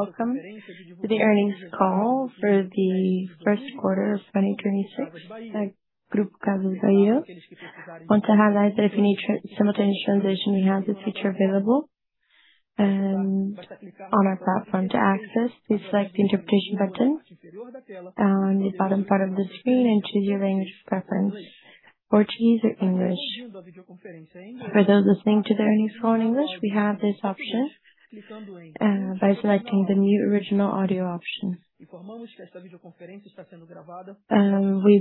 Welcome to the earnings call for the first quarter of 2026 at Grupo Casas Bahia. We want to highlight that if you need simultaneous translation, we have this feature available. On our platform to access, please select the interpretation button on the bottom part of the screen and choose your language of preference, Portuguese or English. For those listening to the earnings call in English, we have this option by selecting the new original audio option. We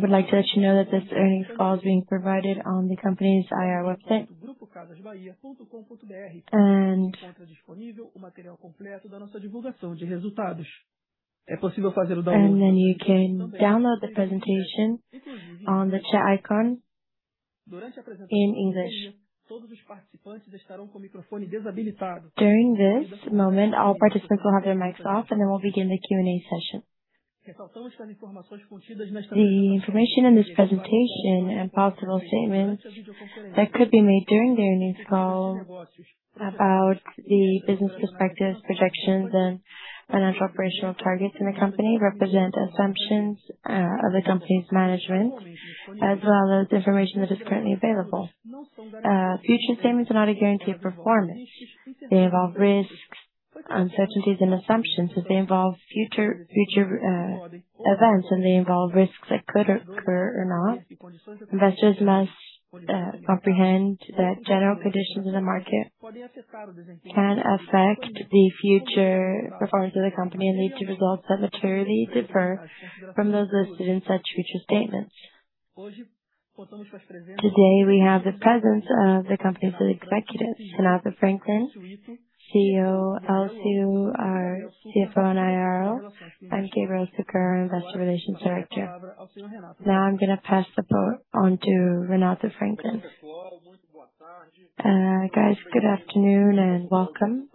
would like to let you know that this earnings call is being provided on the company's IR website. You can download the presentation on the chat icon in English. During this moment, all participants will have their mics off, and then we'll begin the Q&A session. The information in this presentation and possible statements that could be made during the earnings call about the business prospectus, projections, and financial operational targets in the company represent assumptions of the company's management, as well as information that is currently available. Future statements are not a guaranteed performance. They involve risks, uncertainties, and assumptions. They involve future events, and they involve risks that could occur or not. Investors must comprehend that general conditions in the market can affect the future performance of the company and lead to results that materially differ from those listed in such future statements. Today, we have the presence of the company's executives, Renato Franklin, CEO. Elcio Ito, CFO and IRO, and Gabriel Succar, Investor Relations Director. I'm gonna pass the floor on to Renato Franklin. Guys, good afternoon and welcome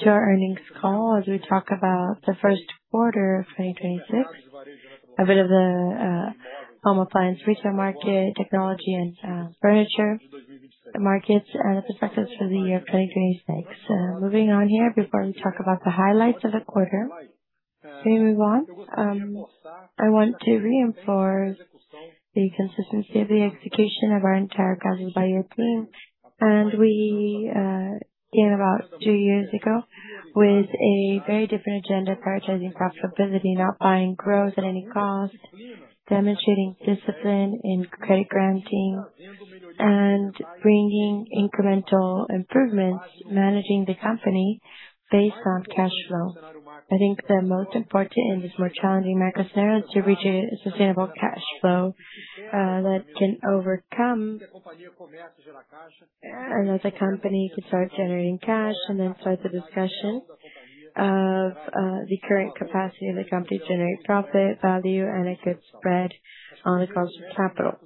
to our earnings call as we talk about the first quarter of 2026, a bit of the home appliance retail market, technology and furniture markets, and the prospectus for the year 2026. Moving on here before we talk about the highlights of the quarter. As we move on, I want to reinforce the consistency of the execution of our entire Casas Bahia team. We began about two years ago with a very different agenda: prioritizing profitability, not buying growth at any cost, demonstrating discipline in credit granting, and bringing incremental improvements, managing the company based on cash flow. I think the most important and is more challenging market scenario is to reach a sustainable cash flow, as a company to start generating cash and then start the discussion of the current capacity of the company to generate profit, value, and a good spread on the cost of capital.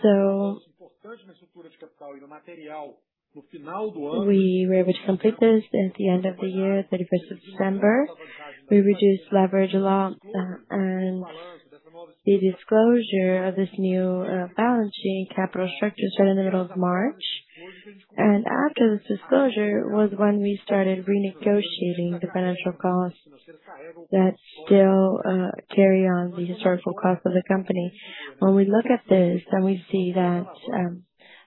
We were able to complete this at the end of the year, 31st of December. We reduced leverage a lot. The disclosure of this new balance sheet capital structure started in the middle of March. After this disclosure was when we started renegotiating the financial costs that still carry on the historical cost of the company. When we look at this, we see that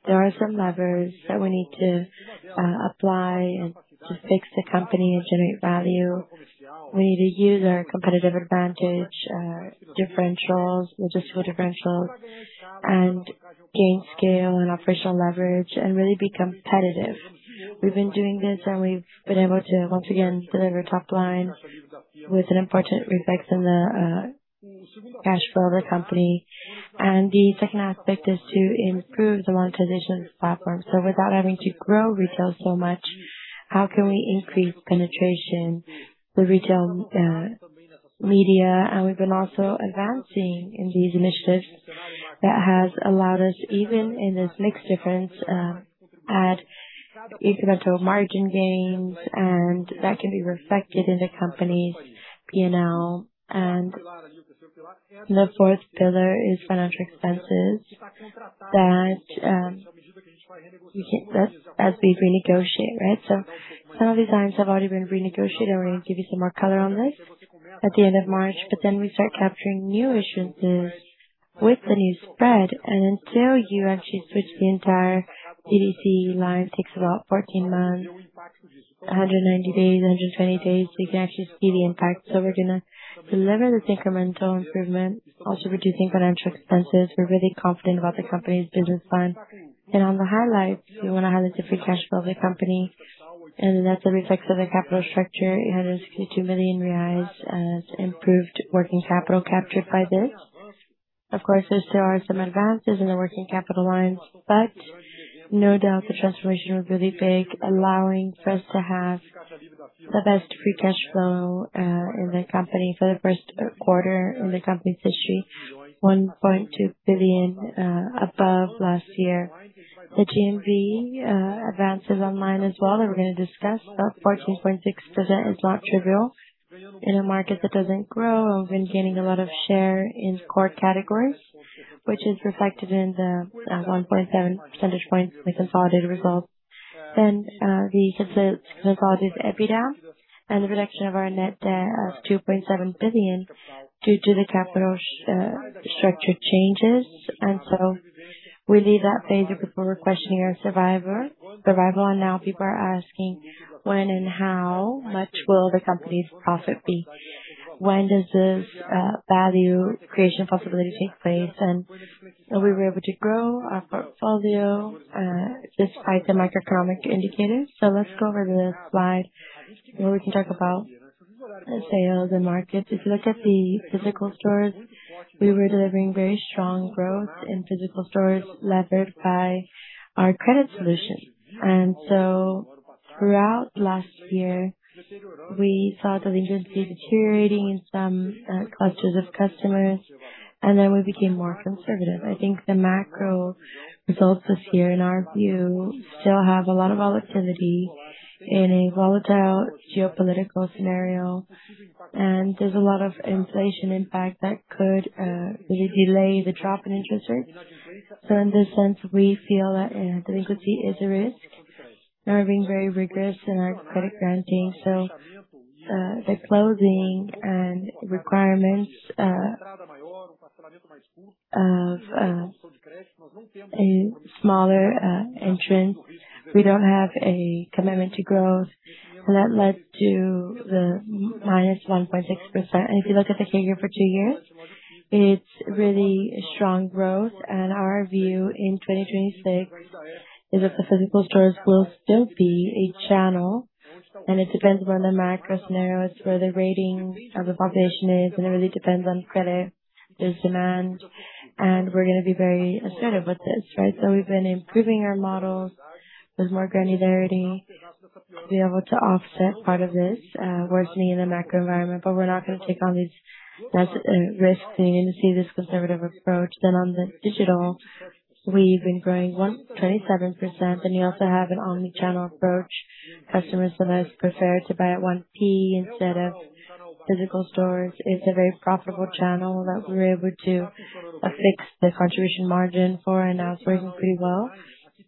there are some levers that we need to apply and to fix the company and generate value. We need to use our competitive advantage, differentials, logistical differentials, and gain scale and operational leverage and really be competitive. We've been doing this, and we've been able to once again deliver top line with an important reflex in the cash flow of the company. The second aspect is to improve the monetization platform. Without having to grow retail so much, how can we increase penetration, the retail media? We've been also advancing in these initiatives that has allowed us, even in this mixed difference, add incremental margin gains and that can be reflected in the company's P&L. The fourth pillar is financial expenses that, as we renegotiate, right? Some of these items have already been renegotiated. We're gonna give you some more color on this at the end of March. We start capturing new issuances with the new spread. Until you actually switch the entire CDC line, takes about 14 months, 190 days, 120 days, we can actually see the impact. We're going to deliver this incremental improvement, also reducing financial expenses. We're really confident about the company's business plan. On the highlights, we want to highlight the free cash flow of the company, and that's a reflex of the capital structure, 162 million reais as improved working capital captured by this. Of course, there still are some advances in the working capital lines, but no doubt the transformation was really big, allowing for us to have the best free cash flow in the company for the first quarter in the company's history, 1.2 billion above last year. The GMV advances online as well that we're going to discuss. About 14.6% is not trivial. In a market that doesn't grow, we've been gaining a lot of share in core categories. Which is reflected in the 1.7 percentage points with consolidated results. The consolidated EBITDA and the reduction of our net debt of 2.7 billion due to the capital structure changes. We leave that phase of the quarter question of survival, now people are asking when and how much will the company's profit be? When does this value creation possibility take place? We were able to grow our portfolio despite the macroeconomic indicators. Let's go over to the slide where we can talk about sales and markets. If you look at the physical stores, we were delivering very strong growth in physical stores levered by our credit solution. Throughout last year, we saw delinquency deteriorating in some clusters of customers, we became more conservative. I think the macro results this year, in our view, still have a lot of volatility in a volatile geopolitical scenario, and there's a lot of inflation impact that could really delay the drop in interest rates. In this sense, we feel that delinquency is a risk. Now we're being very rigorous in our credit granting. The closing and requirements of a smaller entrance. We don't have a commitment to growth, and that led to the -1.6%. If you look at the figure for two years, it's really strong growth. Our view in 2026 is that the physical stores will still be a channel, and it depends upon the macro scenarios, where the rating of the population is, and it really depends on credit, there's demand, and we're gonna be very assertive with this, right? We've been improving our model. There's more granularity. We are able to offset part of this worsening in the macro environment, but we're not gonna take on these risks and see this conservative approach. On the digital, we've been growing 27%. You also have an omni-channel approach. Customers sometimes prefer to buy at 1P instead of physical stores. It's a very profitable channel that we're able to affix the contribution margin for and now it's working pretty well.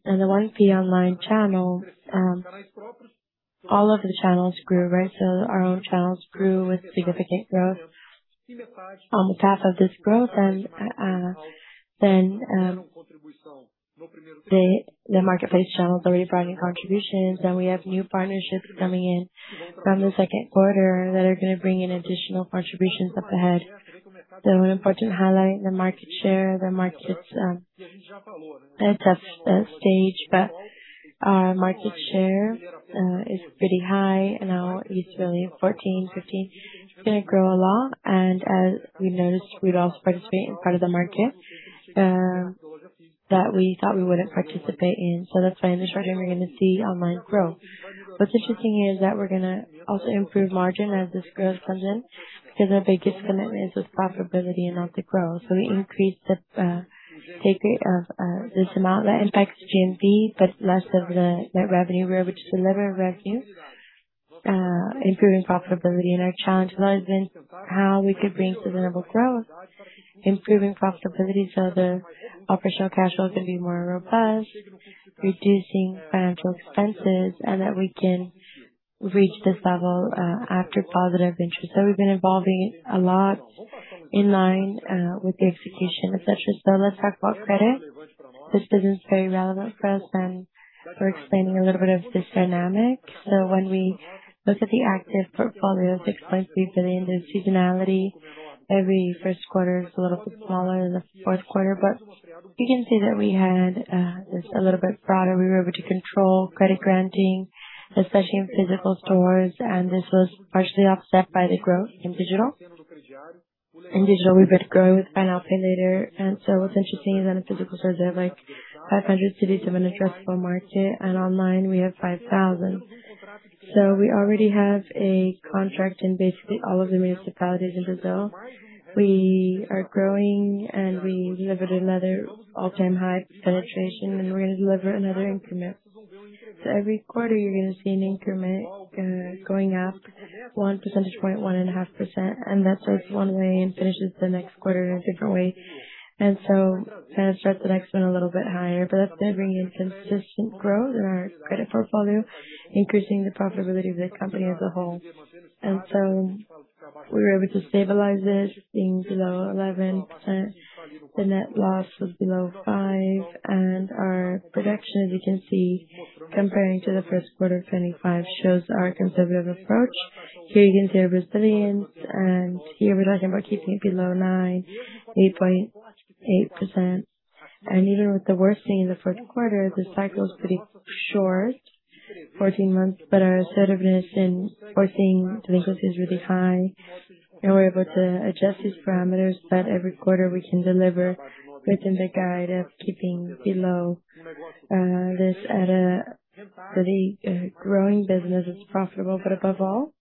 The 1P online channel, all of the channels grew, right? Our own channels grew with significant growth. On the path of this growth, then the marketplace channels already bringing contributions, and we have new partnerships coming in from the second quarter that are gonna bring in additional contributions up ahead. An important highlight, the market share. The market's at that stage, but our market share is pretty high. Now it's really 14, 15. It's gonna grow a lot. As we noticed, we'd also participate in part of the market that we thought we wouldn't participate in. That's why in the short term we're gonna see online growth. What's interesting here is that we're gonna also improve margin as this growth comes in, because our biggest commitment is with profitability and not the growth. We increase the take rate of this amount that impacts GMV, but less of the net revenue. We're able to deliver revenue, improving profitability. Our challenge was in how we could bring sustainable growth, improving profitability so the operational cash flow can be more robust, reducing financial expenses, and that we can reach this level after positive interest. We've been evolving a lot in line with the execution of Casas Bahia. Let's talk about credit. This business is very relevant for us, and we're explaining a little bit of this dynamic. When we look at the active portfolio, 6.3 billion, there's seasonality. Every first quarter is a little bit smaller than the fourth quarter. You can see that we had this a little bit broader. We were able to control credit granting, especially in physical stores, and this was partially offset by the growth in digital. In digital, we've had growth by now pay later. What's interesting is that in physical stores, we have like 500 cities of an addressable market, and online we have 5,000. We already have a contract in basically all of the municipalities in Brazil. We are growing, and we delivered another all-time high penetration, and we're gonna deliver another increment. Every quarter you're gonna see an increment, going up 1 percentage point, 1.5%. That starts one way and finishes the next quarter in a different way. Kinda starts the next one a little bit higher. That's been bringing in consistent growth in our credit portfolio, increasing the profitability of the company as a whole. We were able to stabilize it, being below 11%. The net loss was below 5%. Our projection, as you can see, comparing to the first quarter of 2025, shows our conservative approach. Here you can see our resilience, and here we're talking about keeping it below 9, 8.8%. Even with the worsening in the fourth quarter, the cycle is pretty short, 14 months. Our assertiveness in forcing delinquency is really high, and we're able to adjust these parameters that every quarter we can deliver within the guide of keeping below this at a pretty growing business that's profitable, but above all,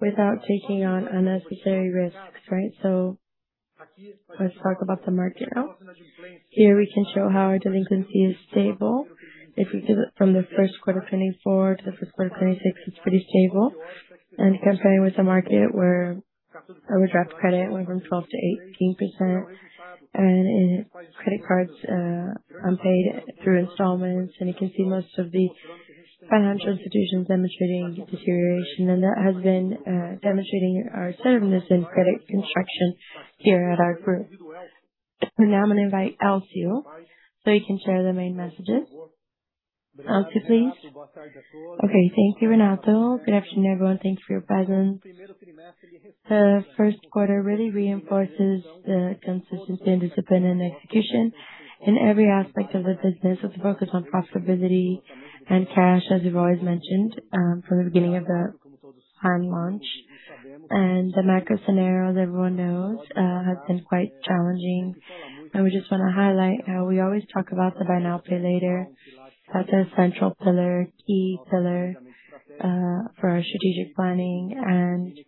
without taking on unnecessary risks, right? Let's talk about the market now. Here we can show how our delinquency is stable. If you look from the first quarter of 2024 to the first quarter of 2026, it's pretty stable. The company was a market where overdraft credit went from 12% to 18% and in credit cards, unpaid through installments. You can see most of the financial institutions demonstrating deterioration. That has been demonstrating our soundness in credit construction here at our group. Now I'm gonna invite Elcio, so he can share the main messages. Elcio, please? Okay. Thank you, Renato. Good afternoon, everyone. Thanks for your presence. The first quarter really reinforces the consistency and discipline and execution in every aspect of the business, with the focus on profitability and cash, as we've always mentioned, from the beginning of the plan launch. The macro scenario, as everyone knows, has been quite challenging. We just want to highlight how we always talk about the buy now, pay later. That's a central pillar, key pillar, for our strategic planning.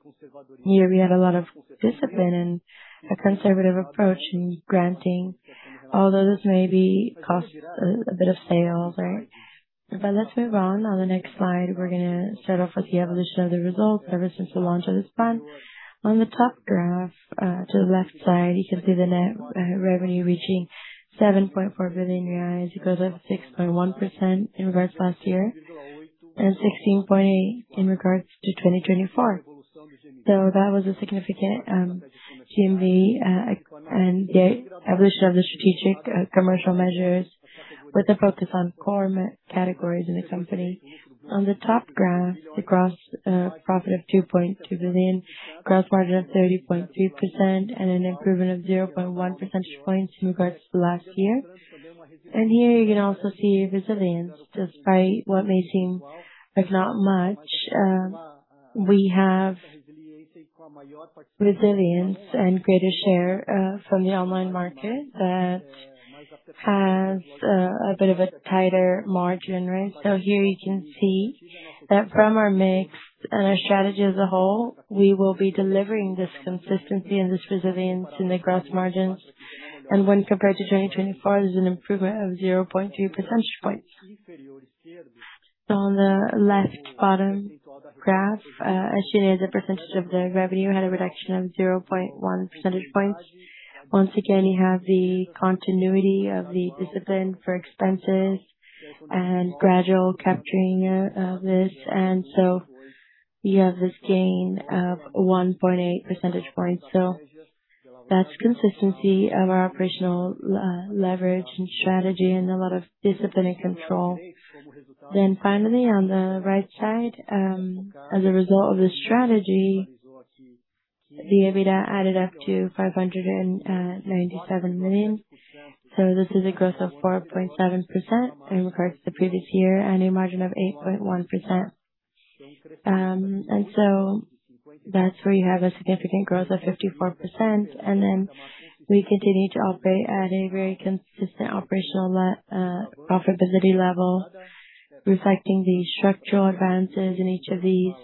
Here we had a lot of discipline and a conservative approach in granting, although this maybe cost a bit of sales, right? Let's move on. On the next slide, we're going to start off with the evolution of the results ever since the launch of this plan. On the top graph, to the left side, you can see the net revenue reaching 7.4 billion reais. It goes up 6.1% in regards to last year and 16.8% in regards to 2024. That was a significant GMV and the evolution of the strategic commercial measures with a focus on core categories in the company. On the top graph, the gross profit of 2.2 billion, gross margin of 30.2% and an improvement of 0.1 percentage points in regards to last year. Here you can also see resilience. Despite what may seem like not much, we have resilience and greater share from the online market that has a bit of a tighter margin, right? Here you can see that from our mix and our strategy as a whole, we will be delivering this consistency and this resilience in the gross margins. When compared to 2024, there's an improvement of 0.2 percentage points. On the left bottom graph, as shared, the percentage of the revenue had a reduction of 0.1 percentage points. Once again, you have the continuity of the discipline for expenses and gradual capturing of this, you have this gain of 1.8 percentage points. That's consistency of our operational leverage and strategy and a lot of discipline and control. Finally, on the right side, as a result of the strategy, the EBITDA added up to 597 million. This is a growth of 4.7% in regards to the previous year and a margin of 8.1%. That's where you have a significant growth of 54%. We continue to operate at a very consistent operational profitability level, reflecting the structural advances in each of these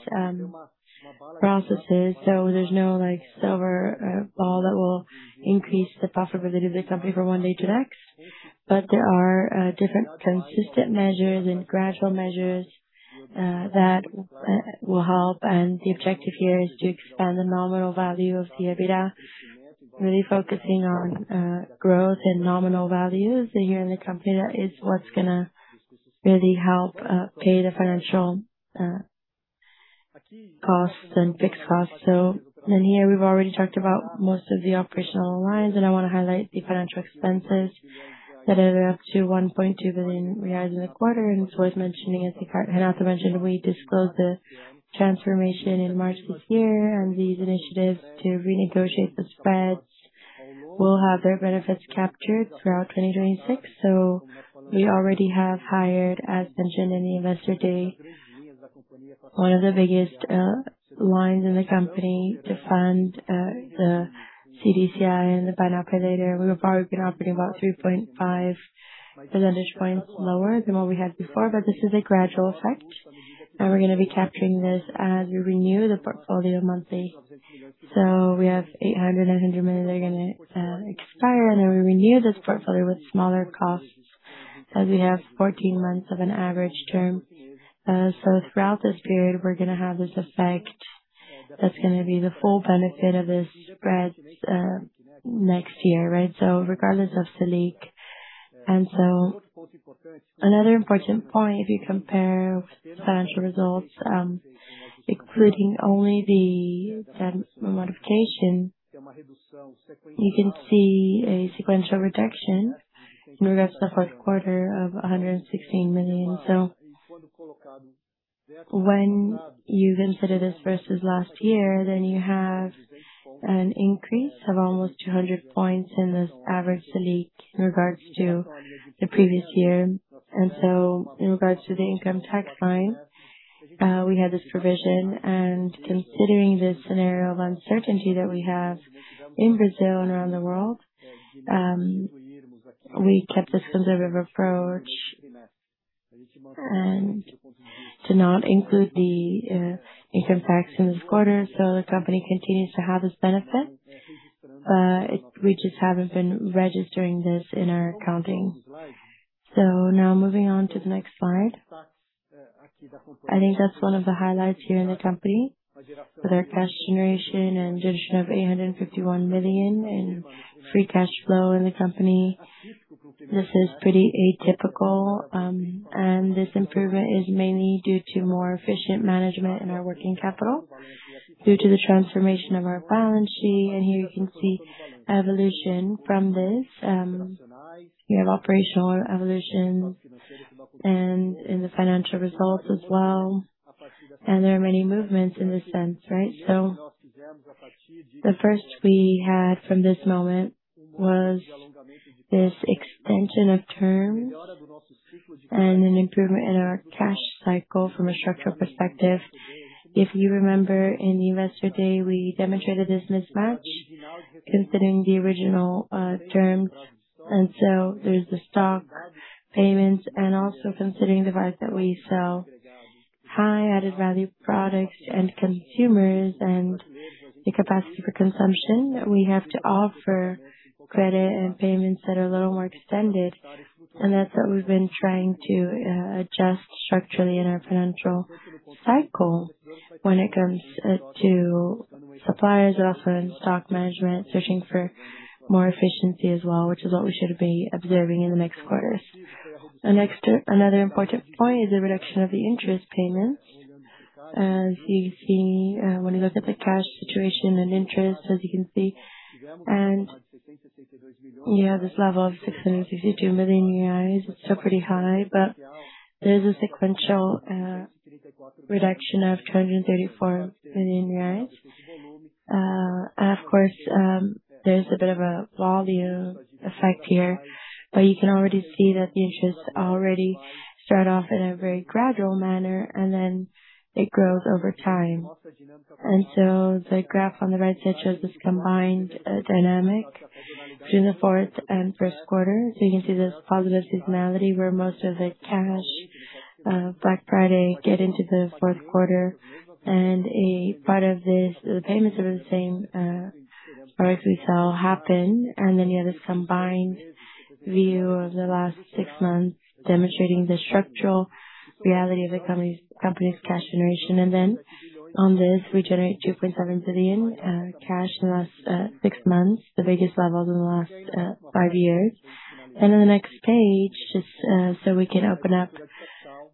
processes. There's no, like, silver ball that will increase the profitability of the company from one day to the next. There are different consistent measures and gradual measures that will help. The objective here is to expand the nominal value of the EBITDA, really focusing on growth in nominal values. Here in the company that is what's gonna really help pay the financial costs and fixed costs. Here we've already talked about most of the operational lines, and I wanna highlight the financial expenses that are up to 1.2 billion reais in the quarter. It's worth mentioning, as Renato mentioned, we disclosed the transformation in March this year, and these initiatives to renegotiate the spreads will have their benefits captured throughout 2026. We already have hired, as mentioned in the investor day, one of the biggest lines in the company to fund the CDCI and the buy now, pay later. We've already been operating about 3.5 percentage points lower than what we had before, but this is a gradual effect, and we're gonna be capturing this as we renew the portfolio monthly. We have 800 and 100 million that are gonna expire, and then we renew this portfolio with smaller costs, as we have 14 months of an average term. Throughout this period, we're gonna have this effect that's gonna be the full benefit of these spreads next year, right? Regardless of Selic. Another important point, if you compare financial results, excluding only the debt modification, you can see a sequential reduction in regards to the fourth quarter of 116 million. When you consider this versus last year, then you have an increase of almost 200 points in this average Selic in regards to the previous year. In regards to the income tax line, we had this provision. Considering the scenario of uncertainty that we have in Brazil and around the world, we kept this conservative approach and to not include the income tax in this quarter. The company continues to have this benefit. We just haven't been registering this in our accounting. Now moving on to the next slide. I think that's one of the highlights here in the company with our cash generation and addition of 851 million in free cash flow in the company. This is pretty atypical, and this improvement is mainly due to more efficient management in our working capital due to the transformation of our balance sheet. Here you can see evolution from this. You have operational evolutions and in the financial results as well. There are many movements in this sense, right? The first we had from this moment was this extension of terms and an improvement in our cash cycle from a structural perspective. If you remember in Investor Day, we demonstrated this mismatch considering the original terms. There's the stock payments and also considering the fact that we sell high added value products to end consumers and the capacity for consumption that we have to offer credit and payments that are a little more extended. That's what we've been trying to adjust structurally in our financial cycle when it comes to suppliers also and stock management, searching for more efficiency as well, which is what we should be observing in the next quarters. Another important point is the reduction of the interest payments. As you see, when you look at the cash situation and interest, as you can see, and you have this level of BRL 662 million. It's still pretty high, but there's a sequential reduction of 234 million reais. There's a bit of a volume effect here, but you can already see that the interest already start off in a very gradual manner and then it grows over time. The graph on the right side shows this combined dynamic between the fourth and first quarter. You can see this positive seasonality where most of the cash, Black Friday get into the fourth quarter. A part of this, the payments of the same products we sell happen. You have this combined view of the last six months demonstrating the structural reality of the company's cash generation event. On this, we generate 2.7 billion cash in the last six months, the biggest level in the last five years. The next page, just, so we can open up,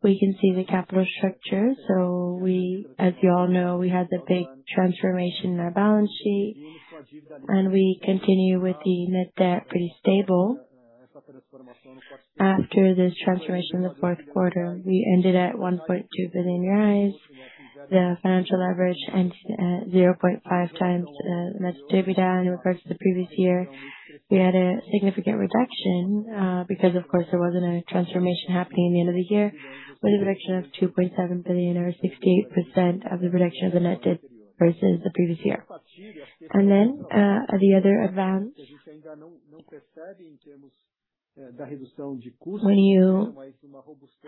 we can see the capital structure. As you all know, we had the big transformation in our balance sheet, and we continue with the net debt pretty stable. After this transformation in the fourth quarter, we ended at BRL 1.2 billion. The financial leverage ends at 0.5x net debt in regards to the previous year. We had a significant reduction, because of course, there wasn't a transformation happening at the end of the year with a reduction of 2.7 billion or 68% of the reduction of the net debt versus the previous year. The other advance.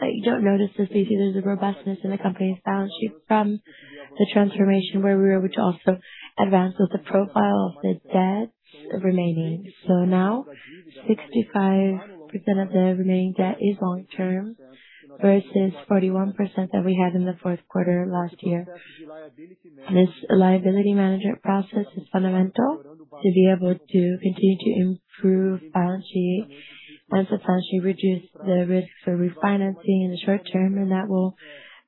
You don't notice this, but there's a robustness in the company's balance sheet from the transformation where we were able to also advance with the profile of the debt remaining. Now 65% of the remaining debt is long-term versus 41% that we had in the fourth quarter last year. This liability management process is fundamental to be able to continue to improve balance sheet. Once the balance sheet reduce the risk for refinancing in the short term, and that will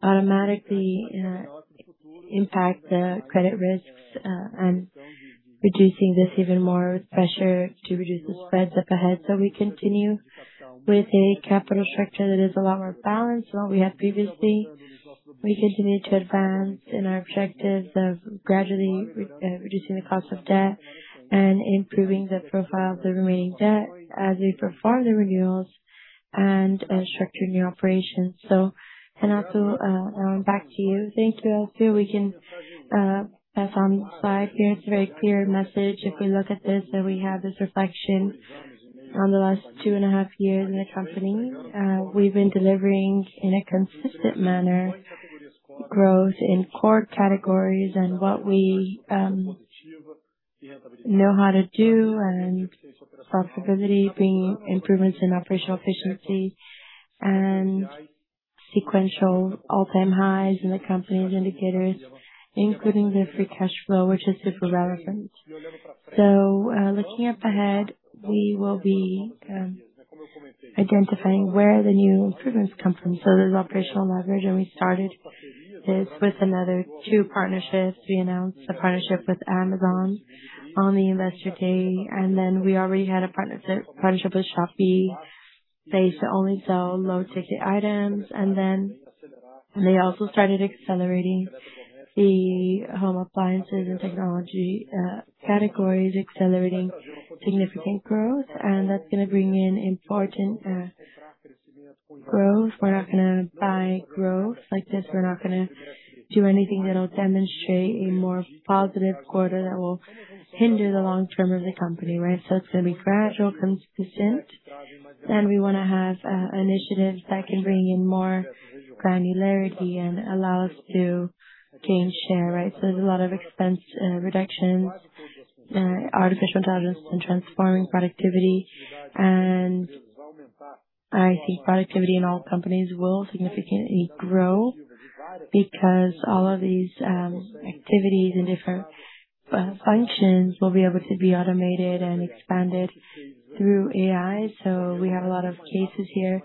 automatically impact the credit risks and reducing this even more with pressure to reduce the spreads up ahead. We continue with a capital structure that is a lot more balanced than what we had previously. We continue to advance in our objectives of gradually reducing the cost of debt and improving the profile of the remaining debt as we perform the renewals and structure new operations. Also, back to you. Thank you Elcio, we can, as on the slide here, it's a very clear message. If we look at this, that we have this reflection on the last 2.5 years in the company. We've been delivering in a consistent manner growth in core categories and what we know how to do and profitability being improvements in operational efficiency and sequential all-time highs in the company's indicators, including the free cash flow, which is super relevant. Looking up ahead, we will be identifying where the new improvements come from. There's operational leverage, and we started this with another two partnerships. We announced a partnership with Amazon on the Investor Day, and then we already had a partnership with Shopee. They used to only sell low-ticket items, and then they also started accelerating the home appliances and technology categories, accelerating significant growth. That's gonna bring in important growth. We're not gonna buy growth like this. We're not gonna do anything that'll demonstrate a more positive quarter that will hinder the long term of the company, right? It's gonna be gradual, consistent, and we wanna have initiatives that can bring in more granularity and allow us to gain share, right? There's a lot of expense reductions, artificial intelligence and transforming productivity. I think productivity in all companies will significantly grow because all of these activities and different functions will be able to be automated and expanded through AI. We have a lot of cases here.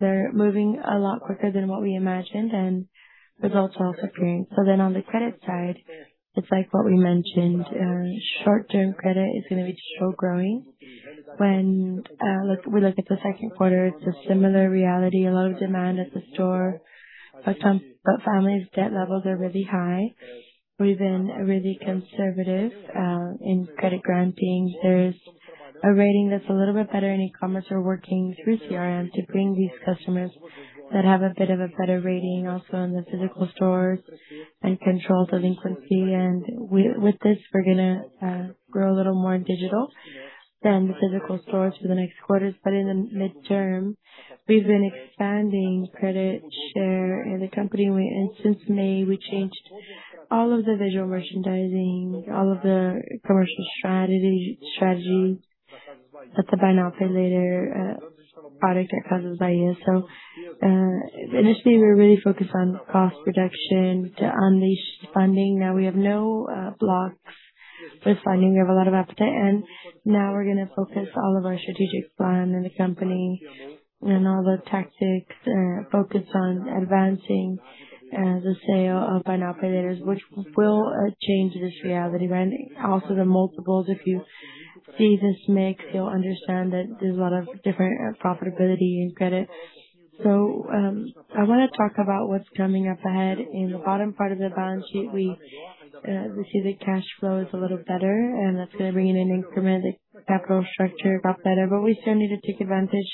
They're moving a lot quicker than what we imagined and results are also appearing. On the credit side, it's like what we mentioned, short-term credit is gonna be still growing. When we look at the second quarter, it's a similar reality. A lot of demand at the store, but families' debt levels are really high. We've been really conservative in credit granting. There's a rating that's a little bit better in e-commerce. We're working through CRM to bring these customers that have a bit of a better rating also in the physical stores and control delinquency. With this, we're gonna grow a little more digital than the physical stores for the next quarters. In the midterm, we've been expanding credit share in the company. Since May, we changed all of the visual merchandising, all of the commercial strategy. That's a buy now, pay later product at Casas Bahia. Initially, we were really focused on cost reduction to unleash funding. Now we have no blocks with funding. We have a lot of appetite. Now we're gonna focus all of our strategic plan in the company and all the tactics focused on advancing the sale of buy now, pay laters, which will change this reality. Also the multiples. If you see this mix, you'll understand that there's a lot of different profitability in credit. I wanna talk about what's coming up ahead. In the bottom part of the balance sheet, we see the cash flow is a little better, and that's gonna bring in an increment capital structure, lot better. We still need to take advantage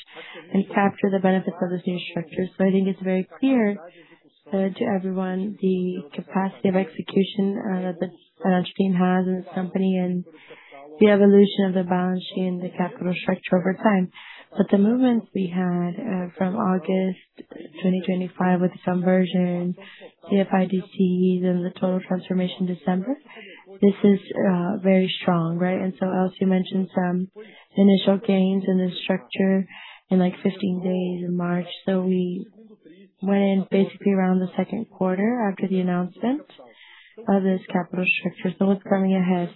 and capture the benefits of this new structure. I think it's very clear to everyone the capacity of execution that the team has in this company and the evolution of the balance sheet and the capital structure over time. The movements we had from August 2025 with the subversion, the FIDCs and the total transformation December, this is very strong, right? Elcio mentioned some initial gains in the structure in like 15 days in March. We went basically around the second quarter after the announcement of this capital structure. What's coming ahead?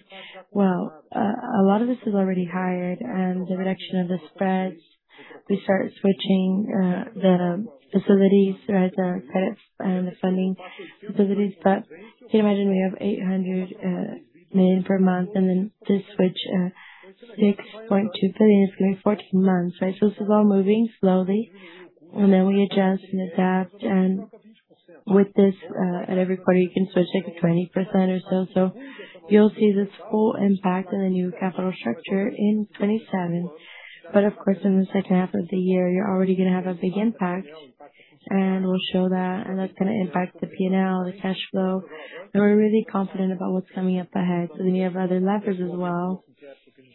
A lot of this is already hired and the reduction of the spreads. We start switching the facilities, right, the credits, the funding facilities. Can you imagine we have 800 million per month and then to switch 6.2 billion is gonna be 14 months, right? This is all moving slowly and then we adjust and adapt. With this, at every quarter you can switch like a 20% or so. You'll see this full impact in the new capital structure in 2027. Of course, in the second half of the year you're already gonna have a big impact and we'll show that. That's gonna impact the P&L, the cash flow. We're really confident about what's coming up ahead. We have other levers as well.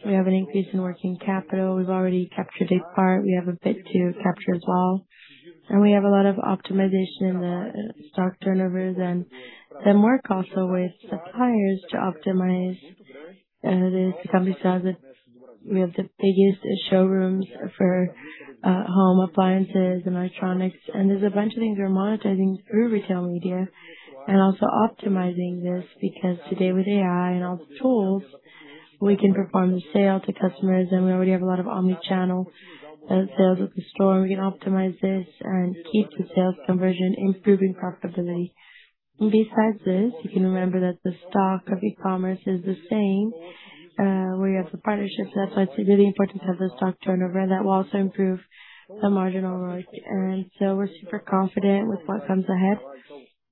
We have an increase in working capital. We've already captured a part. We have a bit to capture as well. We have a lot of optimization in the stock turnovers and work also with suppliers to optimize. The company says that we have the biggest showrooms for home appliances and electronics. There's a bunch of things we are monetizing through retail media and also optimizing this because today with AI and all the tools, we can perform the sale to customers. We already have a lot of omni-channel sales at the store. We can optimize this and keep the sales conversion, improving profitability. Besides this, you can remember that the stock of e-commerce is the same where you have the partnerships. That's why it's really important to have the stock turnover that will also improve the marginal ROIC. We're super confident with what comes ahead.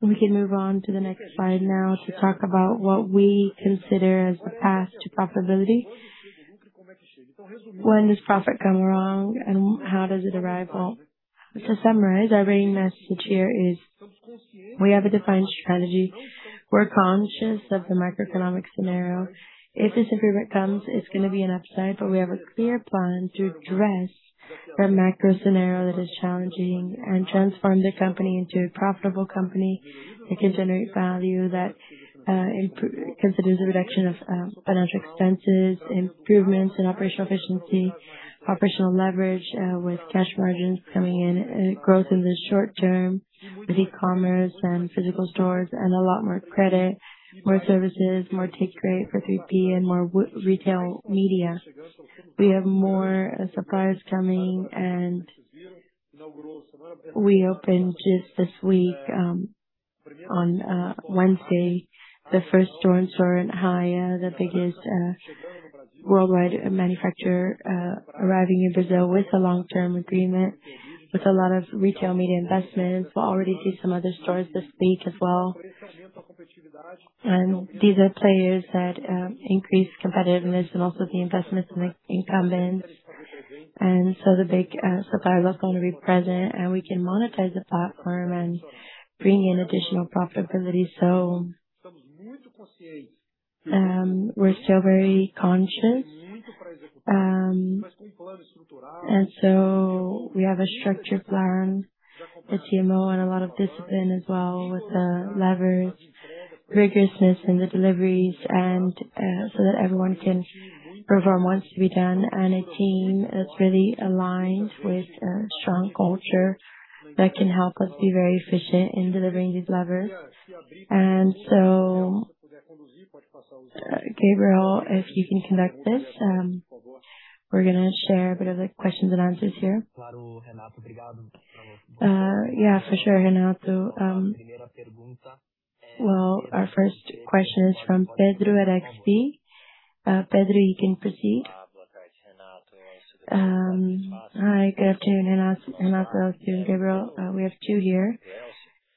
We can move on to the next slide now to talk about what we consider as the path to profitability. When does profit come along and how does it arrive? To summarize, our main message here is we have a defined strategy. We're conscious of the macroeconomic scenario. If this improvement comes, it's gonna be an upside. We have a clear plan to address the macro scenario that is challenging and transform the company into a profitable company that can generate value, that considers a reduction of financial expenses, improvements in operational efficiency, operational leverage, with cash margins coming in, growth in the short term with e-commerce and physical stores and a lot more credit, more services, more take rate for 3P and more retail media. We have more suppliers coming and we opened just this week, on Wednesday, the first store in Sorocaba. Haier, the biggest worldwide manufacturer, arriving in Brazil with a long-term agreement with a lot of retail media investments. We'll already see some other stores this week as well. These are players that increase competitiveness and also the investments in the incumbents. The big supplier was going to be present and we can monetize the platform and bring in additional profitability. We're still very conscious. We have a structured plan, a TMO and a lot of discipline as well with the leverage, rigorousness in the deliveries and so that everyone can perform what needs to be done. A team that's really aligned with a strong culture that can help us be very efficient in delivering these levers. Gabriel, if you can conduct this, we're gonna share a bit of the questions and answers here. Yeah, for sure, Renato. Well, our first question is from Pedro at XP. Pedro, you can proceed. Hi. Good afternoon, Renato. Renato, Elcio, Gabriel. We have two here.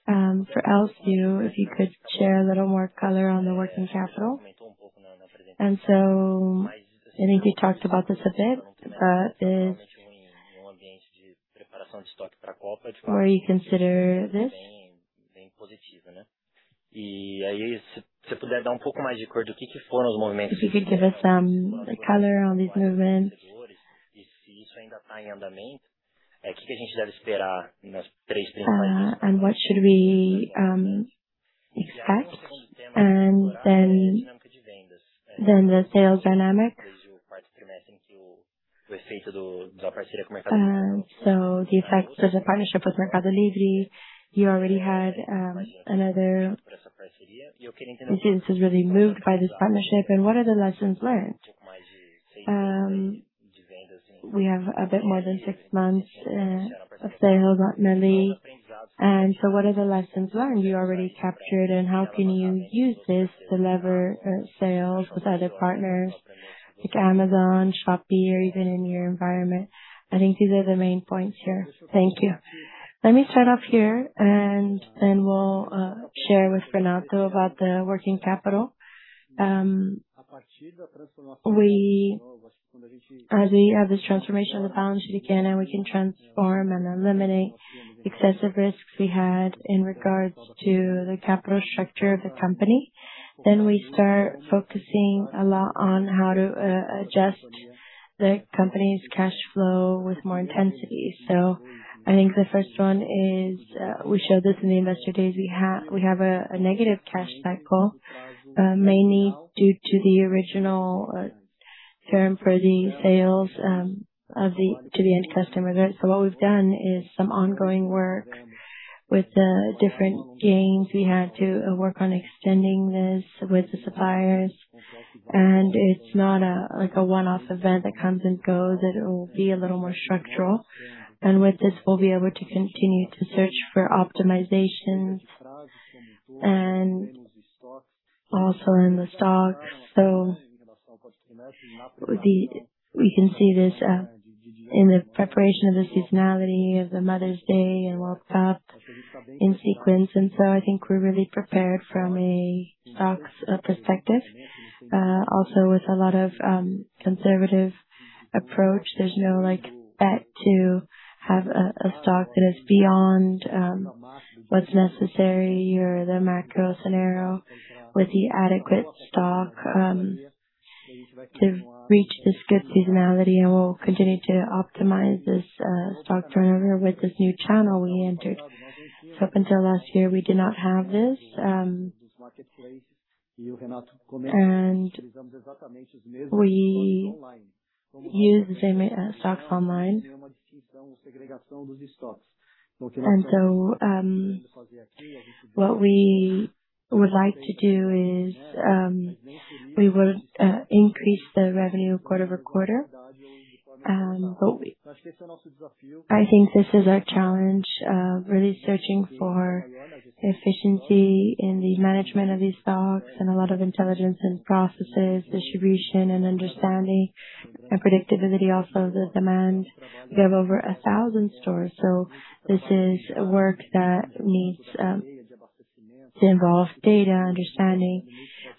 For Elcio, if you could share a little more color on the working capital. I think you talked about this a bit, Or you consider this? If you could give us some, like, color on these movements. What should we expect? Then the sales dynamic. The effects of the partnership with Mercado Libre. You already had, The business is really moved by this partnership. What are the lessons learned? We have a bit more than 6 months of sales at Meli. What are the lessons learned you already captured, and how can you use this to lever sales with other partners like Amazon, Shopee, or even in your environment? I think these are the main points here. Thank you. Let me start off here, and we'll share with Renato about the working capital. As we have this transformation of the balance sheet again, and we can transform and eliminate excessive risks we had in regards to the capital structure of the company. We start focusing a lot on how to adjust the company's cash flow with more intensity. I think the first one is, we showed this in the investor days. We have a negative cash cycle, mainly due to the original term for the sales to the end customer. What we've done is some ongoing work with the different gains. We had to work on extending this with the suppliers. It's not a, like, a one-off event that comes and goes. It will be a little more structural. With this, we'll be able to continue to search for optimizations and also in the stocks. We can see this in the preparation of the seasonality of the Mother's Day and World Cup in sequence. I think we're really prepared from a stocks perspective. Also with a lot of conservative approach. There's no, like, bet to have a stock that is beyond what's necessary or the macro scenario with the adequate stock to reach this good seasonality. We'll continue to optimize this stock turnover with this new channel we entered. Up until last year, we did not have this, and we use the same stocks online. What we would like to do is, we would increase the revenue quarter over quarter. I think this is our challenge, really searching for efficiency in the management of these stocks and a lot of intelligence and processes, distribution and understanding and predictability also of the demand. We have over 1,000 stores, so this is work that needs to involve data understanding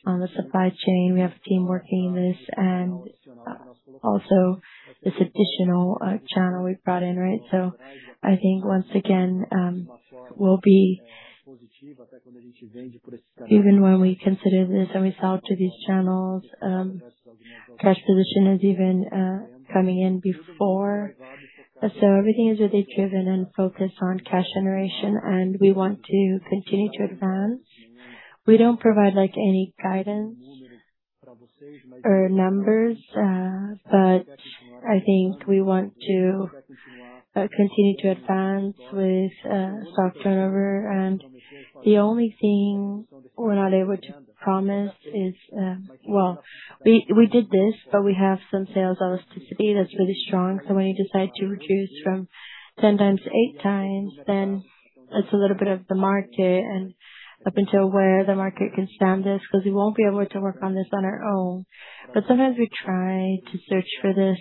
on the supply chain. We have a team working this and, also this additional channel we brought in, right? I think once again, we'll be Even when we consider this and we sell to these channels, cash position is even coming in before. Everything is really driven and focused on cash generation, and we want to continue to advance. We don't provide, like, any guidance or numbers, but I think we want to continue to advance with stock turnover. The only thing we're not able to promise is, well, we did this, but we have some sales elasticity that's really strong. When you decide to reduce from 10x to 8x, it's a little bit of the market and up until where the market can stand this, 'cause we won't be able to work on this on our own. Sometimes we try to search for this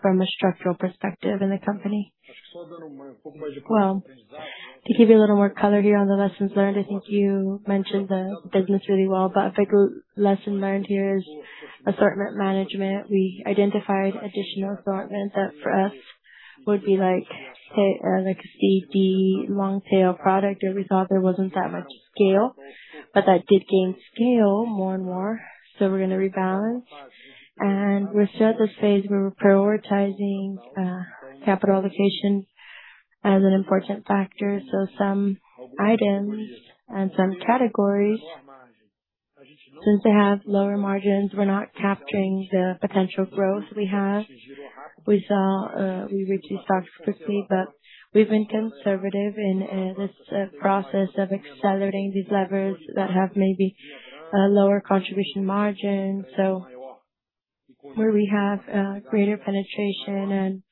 from a structural perspective in the company. To give you a little more color here on the lessons learned, I think you mentioned the business really well. A big lesson learned here is assortment management. We identified additional assortment that for us would be like, say, like a CD long tail product where we thought there wasn't that much scale, but that did gain scale more and more. We're gonna rebalance. We're still at this phase where we're prioritizing capital allocation as an important factor. Some items and some categories, since they have lower margins, we're not capturing the potential growth we have. We saw, we reduced our 50, but we've been conservative in this process of accelerating these levers that have maybe a lower contribution margin. Where we have greater penetration and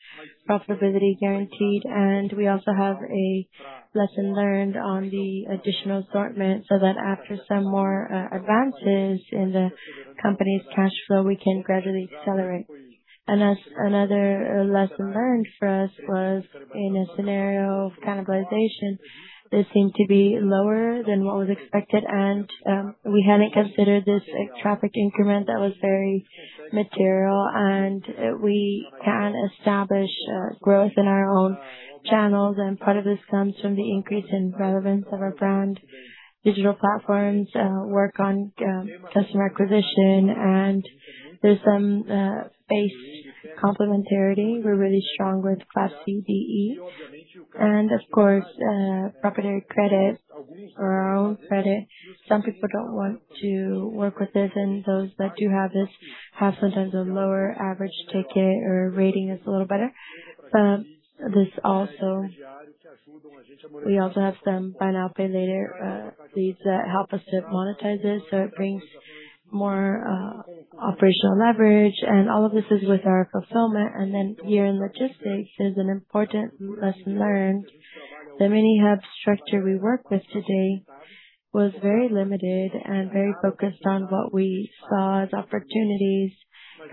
profitability guaranteed, and we also have a lesson learned on the additional assortment, so that after some more advances in the company's cash flow, we can gradually accelerate. Another lesson learned for us was in a scenario of cannibalization that seemed to be lower than what was expected. We hadn't considered this, like, traffic increment that was very material. We can establish growth in our own channels. Part of this comes from the increase in relevance of our brand digital platforms, work on customer acquisition, and there's some space complementarity. We're really strong with class C, D, E, and of course, proprietary credit or our own credit. Some people don't want to work with this, and those that do have this have sometimes a lower average ticket or rating is a little better. We also have some buy now, pay later leads that help us to monetize this, it brings more operational leverage. All of this is with our fulfillment. Here in logistics, there's an important lesson learned. The mini hub structure we work with today was very limited and very focused on what we saw as opportunities.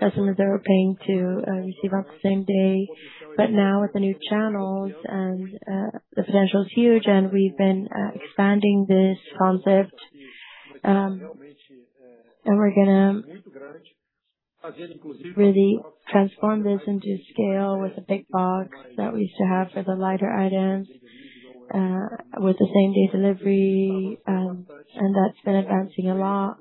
Customers are paying to receive on the same day. Now with the new channels and the potential is huge and we've been expanding this concept. We're gonna really transform this into scale with the big box that we used to have for the lighter items, with the same day delivery. That's been advancing a lot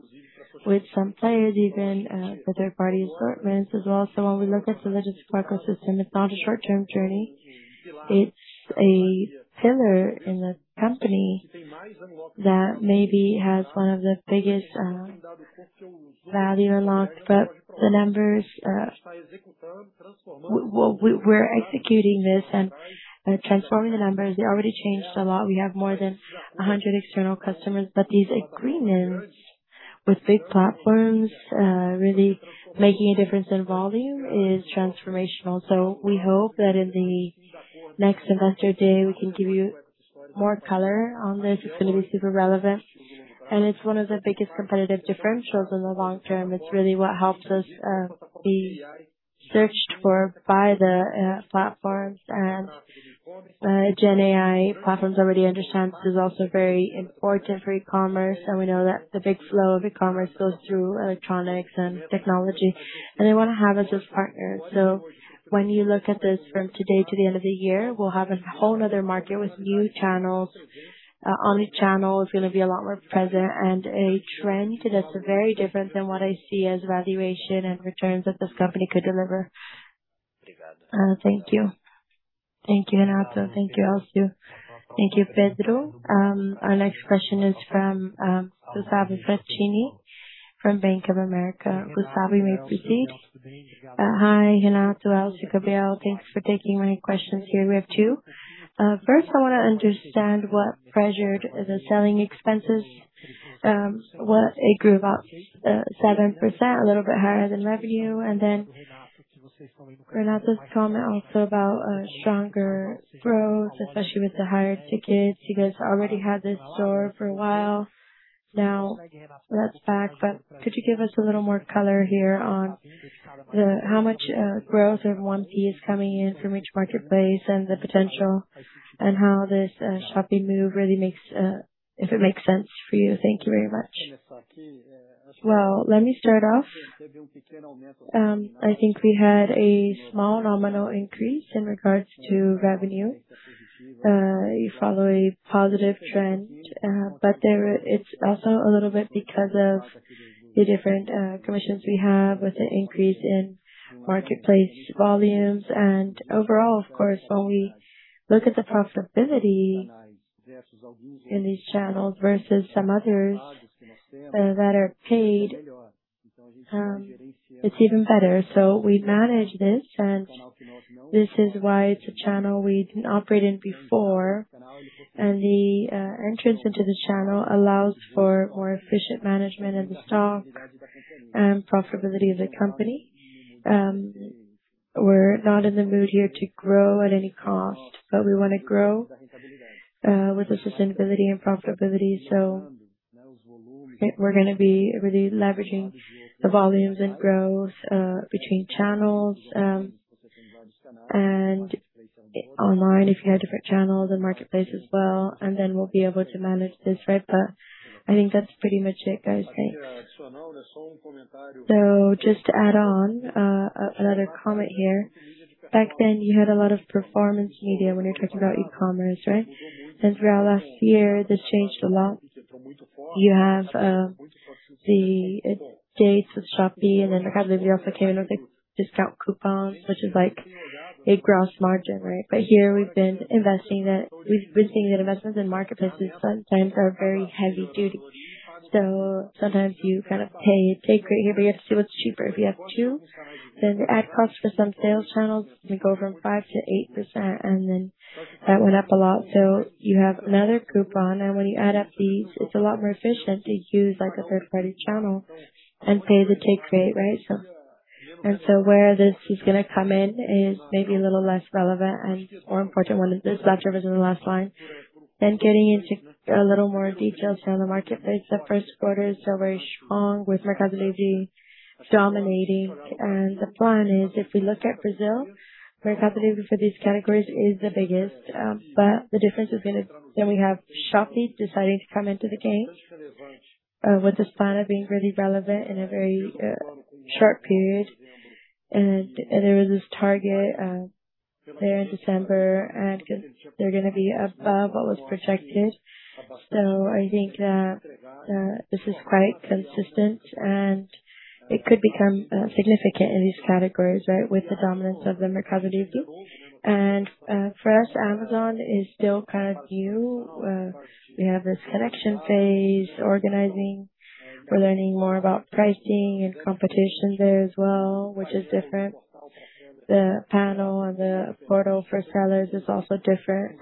with some players, even, for third party assortments as well. When we look at the logistic ecosystem, it's not a short-term journey. It's a pillar in the company that maybe has one of the biggest value unlocks. The numbers, we're executing this and transforming the numbers. They already changed a lot. We have more than 100 external customers, but these agreements with big platforms, really making a difference in volume is transformational. We hope that in the next Investor Day, we can give you more color on this. It's gonna be super relevant, and it's one of the biggest competitive differentials in the long term. It's really what helps us be searched for by the platforms. GenAI platforms already understand this is also very important for e-commerce. We know that the big flow of e-commerce goes through electronics and technology, and they wanna have us as partners. When you look at this from today to the end of the year, we'll have a whole nother market with new channels. Omni channel is gonna be a lot more present and a trend that's very different than what I see as valuation and returns that this company could deliver. Thank you. Thank you, Renato. Thank you, Elcio. Thank you, Pedro. Our next question is from Gustavo Fratini from Bank of America. Gustavo, you may proceed. Hi, Renato, Elcio, Gabriel. Thanks for taking my questions here. We have two. First, I wanna understand what pressured the selling expenses, what it grew about 7%, a little bit higher than revenue. Renato's comment also about stronger growth, especially with the higher tickets. You guys already had this store for a while. Now that's back, but could you give us a little more color here on how much growth of 1P coming in from each marketplace and the potential and how this shopping move really makes, if it makes sense for you. Thank you very much. Let me start off. I think we had a small nominal increase in regards to revenue. You follow a positive trend, it's also a little bit because of the different commissions we have with the increase in marketplace volumes. Overall, of course, when we look at the profitability in these channels versus some others that are paid, it's even better. We manage this, and this is why it's a channel we didn't operate in before. The entrance into the channel allows for more efficient management of the stock and profitability of the company. We're not in the mood here to grow at any cost, we wanna grow with the sustainability and profitability. We're gonna be really leveraging the volumes and growth between channels, and online, if you have different channels and marketplace as well, we'll be able to manage this right. I think that's pretty much it, guys. Thanks. Just to add on, another comment here. Back then you had a lot of performance media when you're talking about e-commerce, right? Throughout last year, this changed a lot. You have, the dates with Shopee and then Mercado Libre also came in with like discount coupons, which is like a gross margin, right? Here we've been investing it. We've been seeing that investments in marketplaces sometimes are very heavy duty. Sometimes you kind of pay take rate here, but you have to see what's cheaper. If you have 2, then the ad cost for some sales channels may go from 5% to 8%, and then that went up a lot. You have another coupon, and when you add up these, it's a lot more efficient to use like a third-party channel and pay the take rate, right? Where this is gonna come in is maybe a little less relevant and more important when this last service in the last line. Getting into a little more details here on the marketplace, the first quarter is very strong, with Mercado Libre dominating. The plan is if we look at Brazil, Mercado Libre for these categories is the biggest. But the difference is gonna We have Shopee deciding to come into the game, with this plan of being really relevant in a very short period. There was this target, there in December, and they're gonna be above what was projected. I think that this is quite consistent, and it could become significant in these categories. With the dominance of the Mercado Libre. For us, Amazon is still kind of new. We have this connection phase, organizing. We're learning more about pricing and competition there as well, which is different. The panel and the portal for sellers is also different.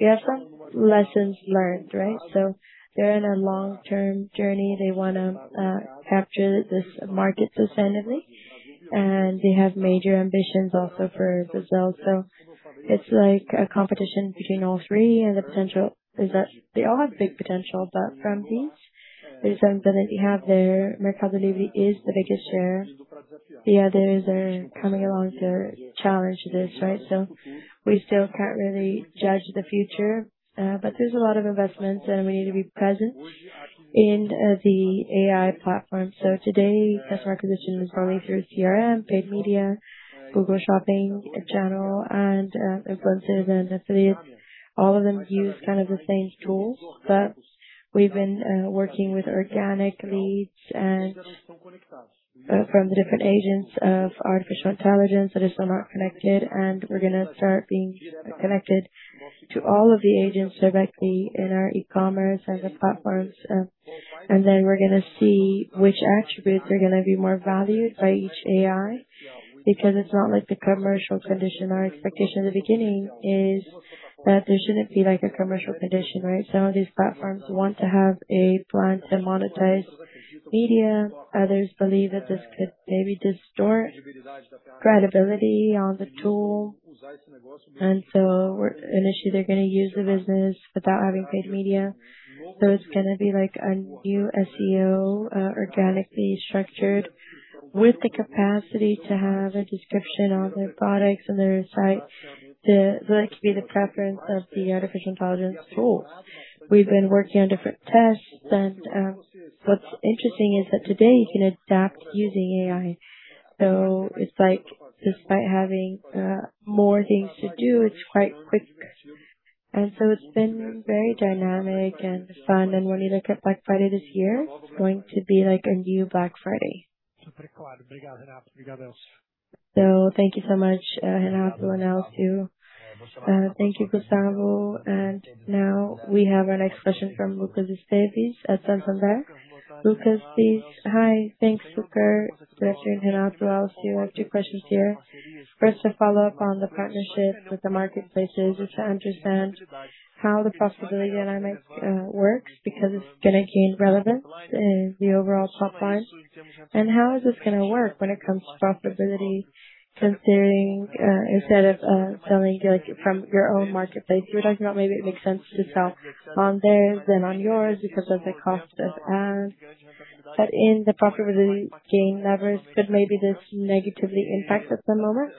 We have some lessons learned. They're in a long-term journey. They wanna capture this market sustainably, and they have major ambitions also for Brazil. It's like a competition between all three. The potential is that they all have big potential. From these, the strength that they have there, Mercado Libre is the biggest share. The others are coming along to challenge this. We still can't really judge the future, but there's a lot of investments, and we need to be present in the AI platform. Today, customer acquisition is only through CRM, paid media, Google Shopping channel, and influencers and affiliates. All of them use kind of the same tools, but we've been working with organic leads and from the different agents of artificial intelligence that are still not connected. We're gonna start being connected to all of the agents directly in our e-commerce and the platforms. We're gonna see which attributes are gonna be more valued by each AI, because it's not like the commercial condition. Our expectation at the beginning is that there shouldn't be like a commercial condition, right? Some of these platforms want to have a plan to monetize media. Others believe that this could maybe distort credibility on the tool. Initially they're going to use the business without having paid media. It's going to be like a new SEO, organically structured with the capacity to have a description of their products and their site. That could be the preference of the artificial intelligence tools. We've been working on different tests, and what's interesting is that today you can adapt using AI. It's like despite having more things to do, it's quite quick. It's been very dynamic and fun. When you look at Black Friday this year, it's going to be like a new Black Friday. Thank you so much, Renato and Elcio. Thank you, Gustavo. Now we have our next question from Lucas Esteves at Santander. Lucas, please. Hi. Thanks, Succar, Renato and Elcio. I have two questions here. First, to follow up on the partnerships with the marketplaces is to understand how the profitability dynamics works, because it's gonna gain relevance in the overall top line. How is this gonna work when it comes to profitability, considering instead of selling like from your own marketplace, you're talking about maybe it makes sense to sell on theirs than on yours because of the cost of ads. In the profitability gain levers could maybe this negatively impact at the moment.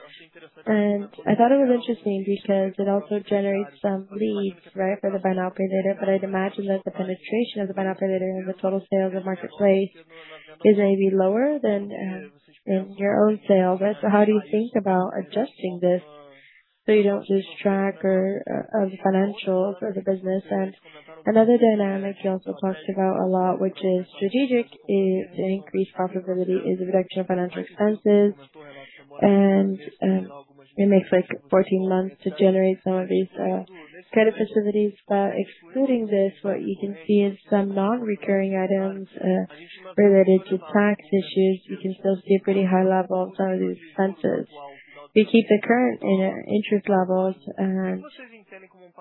I thought it was interesting because it also generates some leads, right, for the buy now pay later. I'd imagine that the penetration of the buy now pay later in the total sales of the marketplace is maybe lower than in your own sales. Right. How do you think about adjusting this so you don't lose track or of the financials of the business? Another dynamic you also talked about a lot, which is strategic, is to increase profitability, is a reduction of financial expenses. It makes like 14 months to generate some of these credit facilities. But excluding this, what you can see is some non-recurring items related to tax issues. You can still see a pretty high level of some of these expenses. If you keep the current interest levels,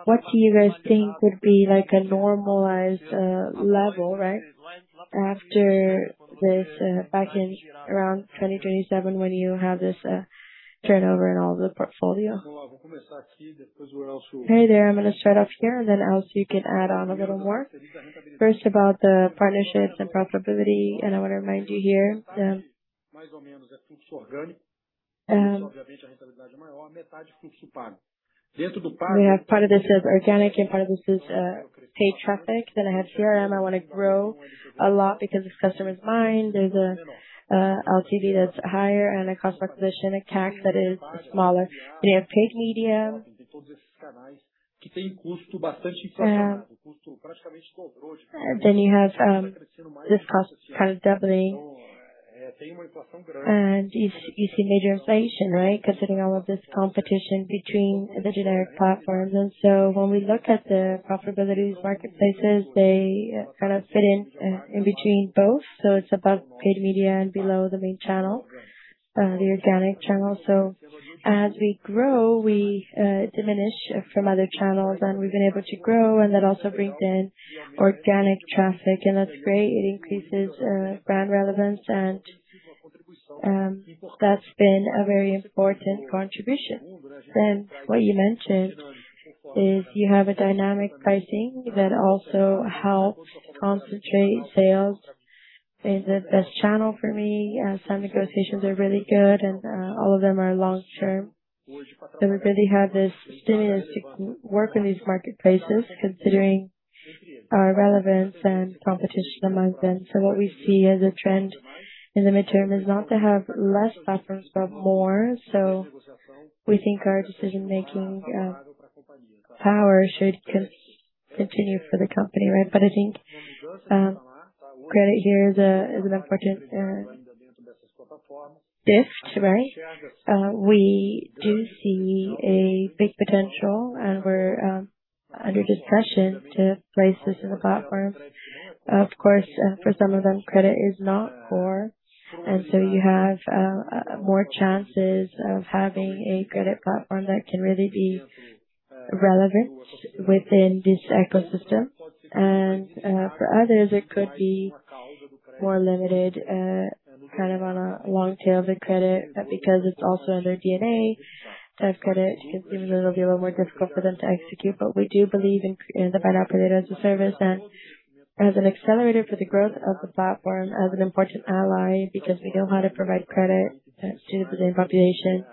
what do you guys think would be like a normalized level right after this back in around 2027 when you have this turnover in all the portfolio? Hey there. I'm gonna start off here and then Elcio you can add on a little more. First about the partnerships and profitability. I want to remind you here. We have part of this as organic and part of this is paid traffic. I have CRM. I want to grow a lot because it's customers mine. There's a LTV that's higher and a cost acquisition, a CAC that is smaller. We have paid media. You have this cost kind of doubling. You see major inflation, right? Considering all of this competition between the generic platforms. When we look at the profitability marketplaces, they kind of fit in in between both. It's above paid media and below the main channel, the organic channel. As we grow, we diminish from other channels, and we've been able to grow, that also brings in organic traffic, and that's great. It increases brand relevance. That's been a very important contribution. What you mentioned is you have a dynamic pricing that also helps concentrate sales in the best channel for me. Some negotiations are really good, and all of them are long-term. We really have this stimulus to work on these marketplaces considering our relevance and competition amongst them. What we see as a trend in the midterm is not to have less platforms, but more. We think our decision-making power should continue for the company, right? I think credit here is an important gift, right? We do see a big potential, and we're under discussion to place this in the platform. Of course, for some of them, credit is not core. You have more chances of having a credit platform that can really be relevant within this ecosystem. For others, it could be more limited, kind of on a long tail of the credit. Because it's also in their DNA of credit, even though it'll be a little more difficult for them to execute. We do believe in the Buy Now, Pay Later as a service and as an accelerator for the growth of the platform, as an important ally, because we know how to provide credit to the same population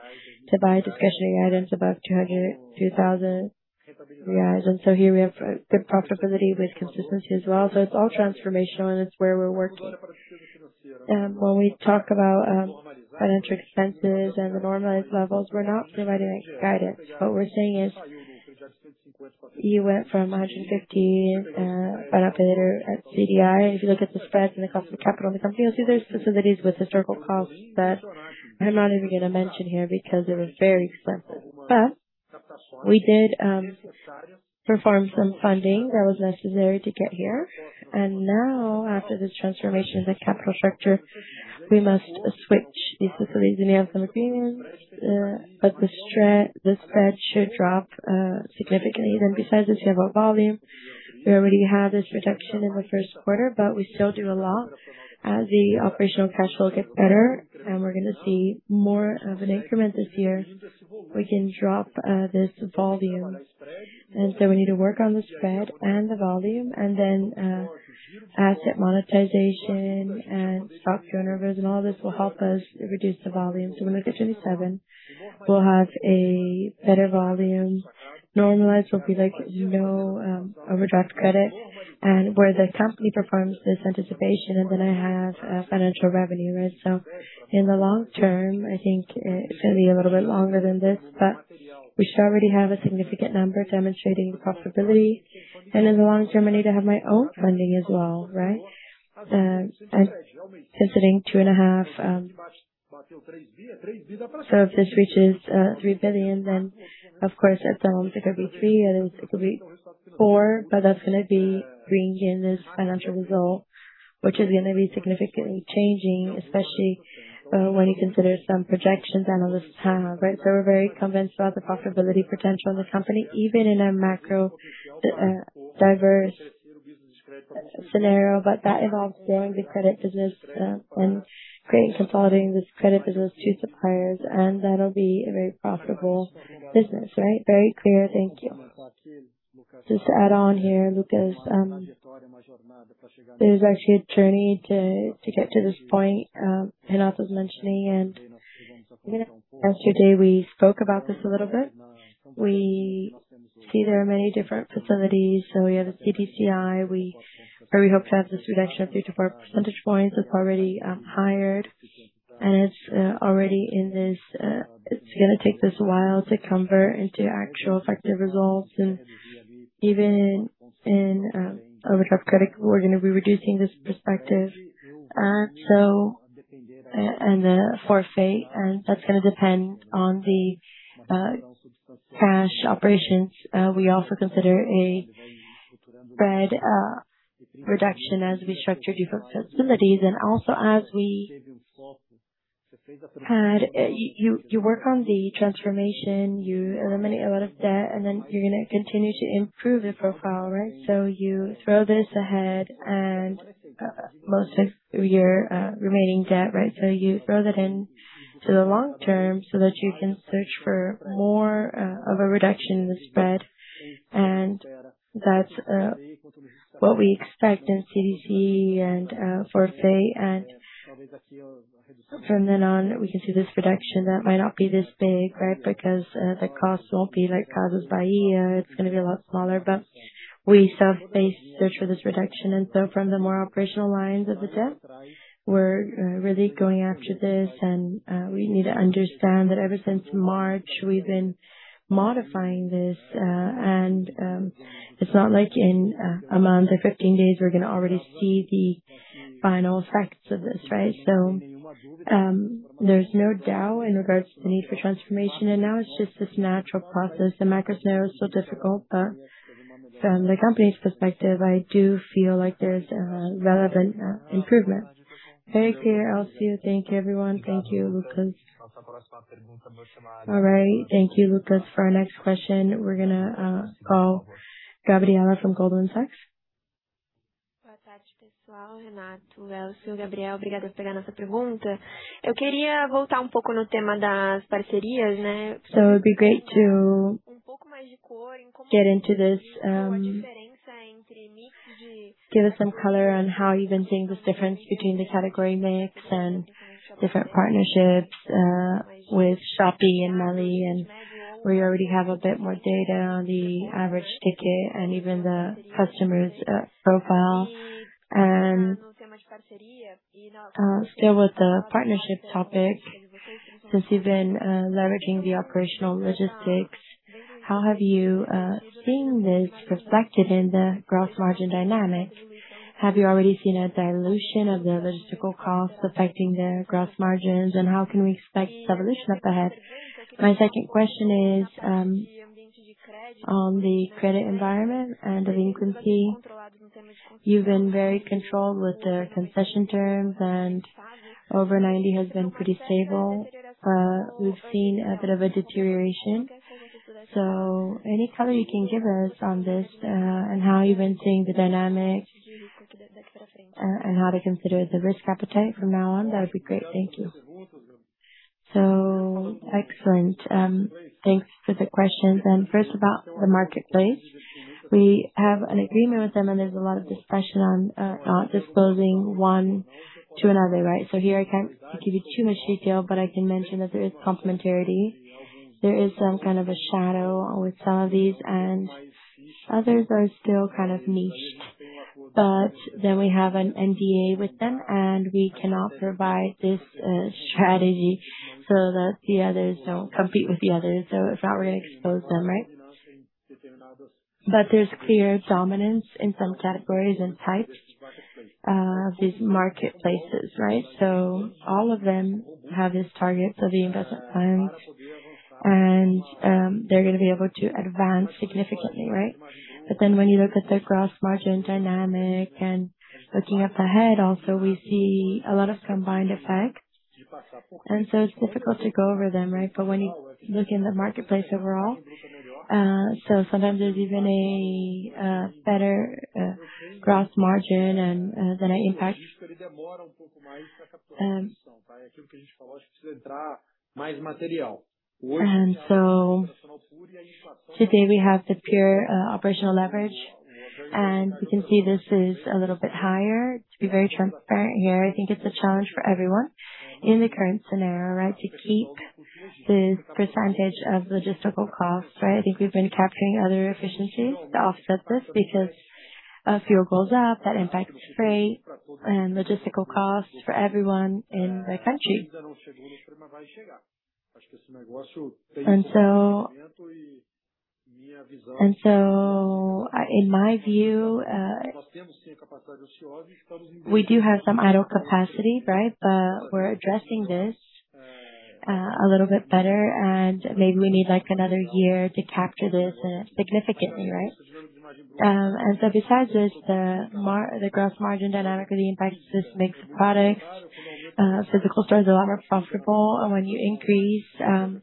to buy discretionary items above 200 reais, 2,000. Here we have good profitability with consistency as well. It's all transformational, and it's where we're working. When we talk about financial expenses and the normalized levels, we're not providing guidance. What we're saying is you went from margin 15 Buy Now, Pay Later at CDI. If you look at the spreads and the cost of capital and the company, you'll see there's facilities with historical costs that I'm not even gonna mention here because they were very expensive. We did perform some funding that was necessary to get here. Now, after this transformation of the capital structure, we must switch these facilities and have some opinions. The spread should drop significantly. Besides this, you have our volume. We already have this reduction in the first quarter, but we still do a lot. As the operational cash flow gets better, and we're gonna see more of an increment this year, we can drop this volume. We need to work on the spread and the volume, asset monetization and stock turnovers and all this will help us reduce the volume. When we get to the seven, we will have a better volume. Normalized will be like no overdraft credit and where the company performs this anticipation. I have financial revenue, right? In the long term, I think it is going to be a little bit longer than this, but we should already have a significant number demonstrating profitability. In the long term, I need to have my own funding as well, right? I am considering BRL 2.5 billion. If this reaches 3 billion, of course at some points it could be 3 billion, it could be 4 billion. That's gonna be bringing in this financial result, which is gonna be significantly changing, especially when you consider some projections analysts have, right? We're very convinced about the profitability potential in the company, even in a macro diverse scenario. That involves growing the credit business, and creating, consolidating this credit business to suppliers, and that'll be a very profitable business, right? Very clear. Thank you. Just to add on here, Lucas, it is actually a journey to get to this point, Renato was mentioning, and even yesterday we spoke about this a little bit. We see there are many different facilities, so we have a CDCI. Or we hope to have this reduction of 3-4 percentage points. It's already higher, and it's already in this. It's going to take this a while to convert into actual effective results. Even in overdraft credit, we're going to be reducing this perspective. The forfait, and that's going to depend on the cash operations. We also consider a spread reduction as we structure different facilities. Also as we had, you work on the transformation, you eliminate a lot of debt, and then you're going to continue to improve the profile, right? You throw this ahead and most of your remaining debt, right? You throw that into the long term so that you can search for more of a reduction in the spread. That's what we expect in CDC and for FIDC. We can see this reduction that might not be this big, right? Because the cost won't be like Casas Bahia. It's gonna be a lot smaller, but we still face search for this reduction. From the more operational lines of the debt, we're really going after this. We need to understand that ever since March, we've been modifying this. It's not like in a month or 15 days we're gonna already see the final effects of this, right? There's no doubt in regards to the need for transformation. It's just this natural process. The macro scenario is still difficult, but from the company's perspective, I do feel like there's a relevant improvement. Very clear, Elcio. Thank you, everyone. Thank you, Lucas. All right. Thank you, Lucas. For our next question, we're gonna call Gabriela from Goldman Sachs. It'd be great to get into this, give us some color on how you've been seeing this difference between the category mix and different partnerships with Shopee and Meli. We already have a bit more data on the average ticket and even the customer's profile. Still with the partnership topic, since you've been leveraging the operational logistics, how have you seen this reflected in the gross margin dynamic? Have you already seen a dilution of the logistical costs affecting the gross margins, and how can we expect this evolution up ahead? My second question is on the credit environment and delinquency. You've been very controlled with the concession terms, and over 90 has been pretty stable. We've seen a bit of a deterioration. Any color you can give us on this, and how you've been seeing the dynamic, and how to consider the risk appetite from now on, that would be great. Thank you. Excellent. Thanks for the questions. First about the marketplace. We have an agreement with them, and there's a lot of discretion on disclosing one to another, right? Here I can't give you too much detail, but I can mention that there is complementarity. There is some kind of a shadow with some of these, and others are still kind of niched. We have an NDA with them, and we cannot provide this strategy so that the others don't compete with the others. It's not really expose them, right? There's clear dominance in some categories and types of these marketplaces, right? All of them have this target for the investment plans. They're gonna be able to advance significantly, right? When you look at the gross margin dynamic and looking up ahead also, we see a lot of combined effects. It's difficult to go over them, right, but when you look in the marketplace overall, sometimes there's even a better gross margin and than an impact. Today we have the pure operational leverage. You can see this is a little bit higher. To be very transparent here, I think it's a challenge for everyone in the current scenario, right, to keep this percentage of logistical costs, right? I think we've been capturing other efficiencies to offset this because if fuel goes up, that impacts freight and logistical costs for everyone in the country. In my view, we do have some idle capacity, right? We're addressing this a little bit better. Maybe we need, like, another year to capture this significantly, right? Besides this, the gross margin dynamic of the impact of this mix of products, physical stores are a lot more profitable. When you increase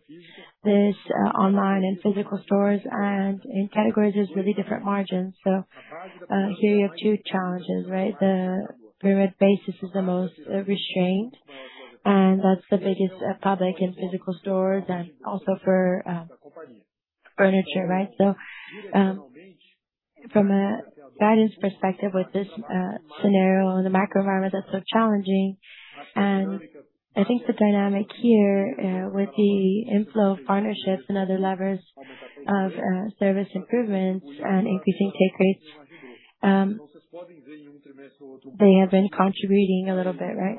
this online and physical stores and in categories, there's really different margins. Here you have two challenges, right? The private label is the most restrained, and that's the biggest public in physical stores and also for furniture, right? From a guidance perspective with this scenario and the macro environment that's so challenging, I think the dynamic here with the inflow of partnerships and other levers of service improvements and increasing take rates, they have been contributing a little bit, right.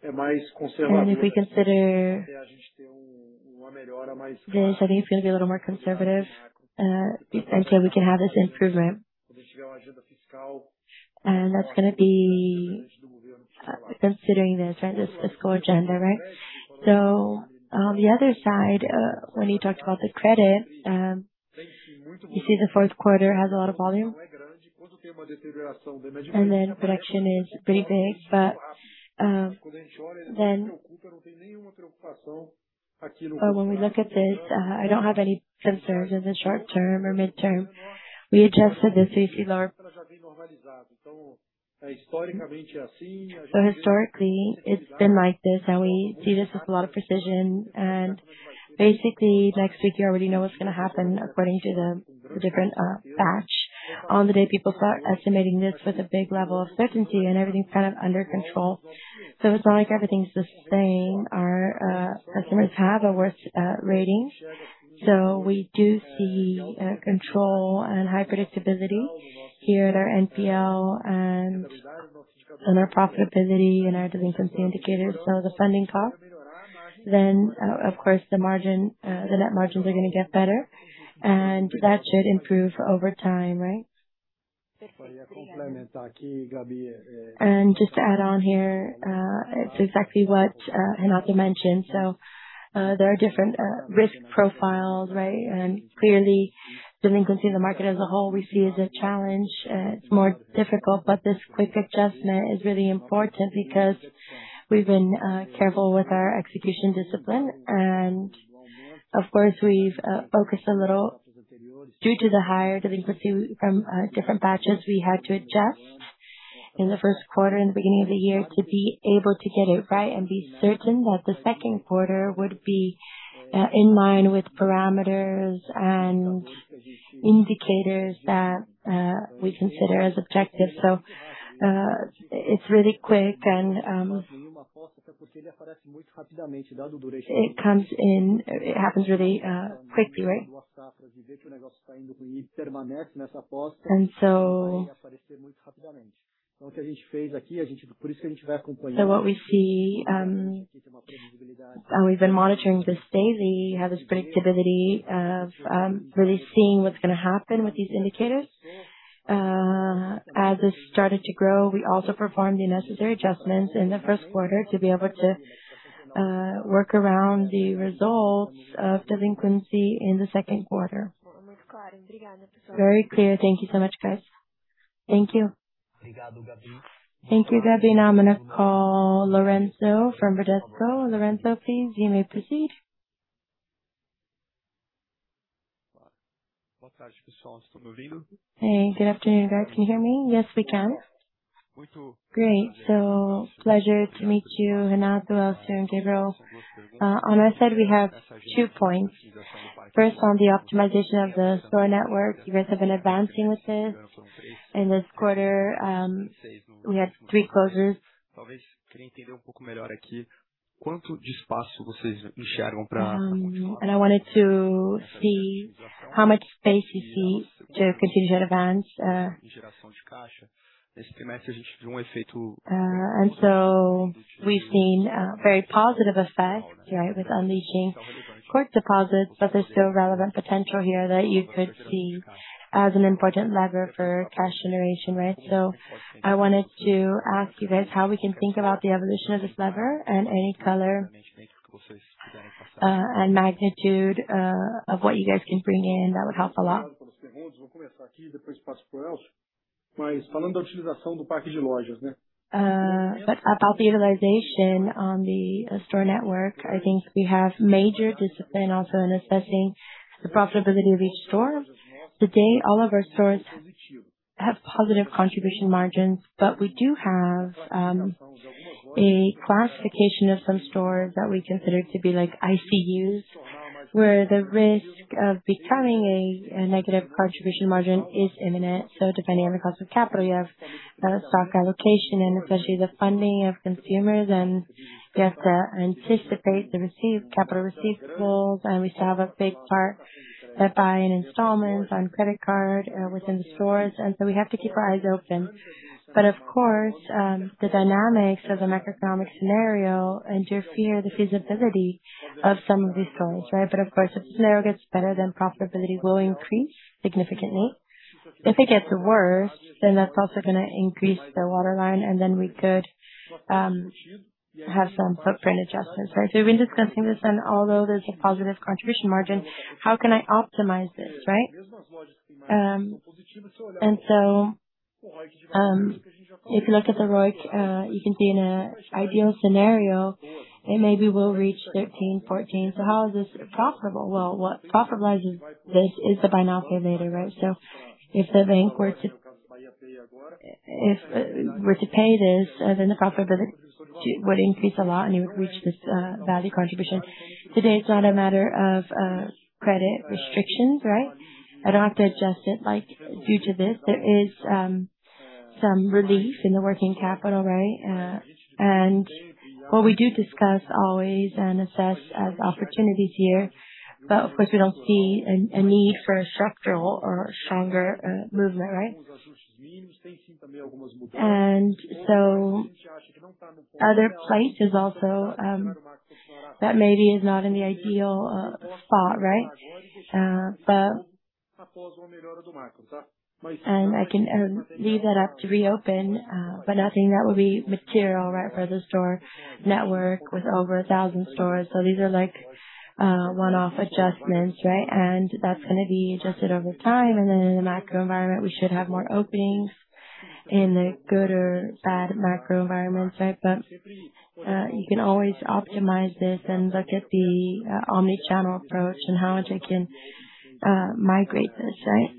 If we consider this, I think it's gonna be a little more conservative until we can have this improvement. That's gonna be considering this, right, this fiscal agenda, right. On the other side, when you talked about the credit, you see the fourth quarter has a lot of volume. Production is pretty big. When we look at this, I don't have any concerns in the short term or mid-term. We adjusted the CDC large. Historically, it's been like this, and we see this with a lot of precision. Basically, next week you already know what's gonna happen according to the different batch. On the day people start estimating this with a big level of certainty and everything's kind of under control. It's not like everything's the same. Our customers have a worse rating. We do see control and high predictability here at our NPL and on our profitability and our delinquency indicators. The funding cost then, of course, the margin, the net margins are gonna get better and that should improve over time, right? Just to add on here, it's exactly what Renato mentioned. There are different risk profiles, right? Clearly delinquency in the market as a whole, we see as a challenge. It's more difficult, but this quick adjustment is really important because we've been careful with our execution discipline. Of course, we've focused a little Due to the higher delinquency from different batches, we had to adjust in the first quarter, in the beginning of the year, to be able to get it right and be certain that the second quarter would be in line with parameters and indicators that we consider as objective. It's really quick and it happens really quickly, right? What we see, and we've been monitoring this daily, have this predictability of really seeing what's gonna happen with these indicators. As this started to grow, we also performed the necessary adjustments in the first quarter to be able to work around the results of delinquency in the second quarter. Very clear. Thank you so much, guys. Thank you. Thank you, Gabi. I'm going to call Lorenzo from Bradesco. Lorenzo, please, you may proceed. Good afternoon, guys. Can you hear me? Yes, we can. Great. Pleasure to meet you, Renato, Elcio, and Gabriel. On our side, we have two points. First, on the optimization of the store network, you guys have been advancing with this. In this quarter, we had three closures. I wanted to see how much space you see to continue to advance. We've seen a very positive effect, right, with unleashing court deposits, there's still relevant potential here that you could see as an important lever for cash generation, right? I wanted to ask you guys how we can think about the evolution of this lever and any color and magnitude of what you guys can bring in. That would help a lot. About the utilization on the store network, I think we have major discipline also in assessing the profitability of each store. Today, all of our stores have positive contribution margins, but we do have a classification of some stores that we consider to be like ICUs, where the risk of becoming a negative contribution margin is imminent. Depending on the cost of capital, you have stock allocation and especially the funding of consumers, and you have to anticipate the capital receivables. We still have a big part that buy in installments, on credit card, within the stores. We have to keep our eyes open. Of course, the dynamics of the macroeconomic scenario interfere the feasibility of some of these stores, right? Of course, if the scenario gets better, then profitability will increase significantly. If it gets worse, that's also going to increase the waterline, and then we could have some footprint adjustments. We've been discussing this and although there's a positive contribution margin, how can I optimize this, right? If you look at the ROIC, you can see in an ideal scenario, it maybe will reach 13, 14. How is this profitable? Well, what profit rises this is the buy now, pay later, right? If the bank were to pay this, then the profitability would increase a lot and you would reach this value contribution. Today, it's not a matter of credit restrictions, right? I don't have to adjust it, like, due to this. There is some relief in the working capital, right? What we do discuss always and assess as opportunities here, but of course we don't see a need for a structural or stronger movement, right? Other place is also that maybe is not in the ideal spot, right? But I can leave that up to reopen, but nothing that would be material, right, for the store network with over 1,000 stores. These are like one-off adjustments, right? That's gonna be adjusted over time. In the macro environment, we should have more openings in the good or bad macro environment, right? You can always optimize this and look at the omni-channel approach and how much it can migrate this, right?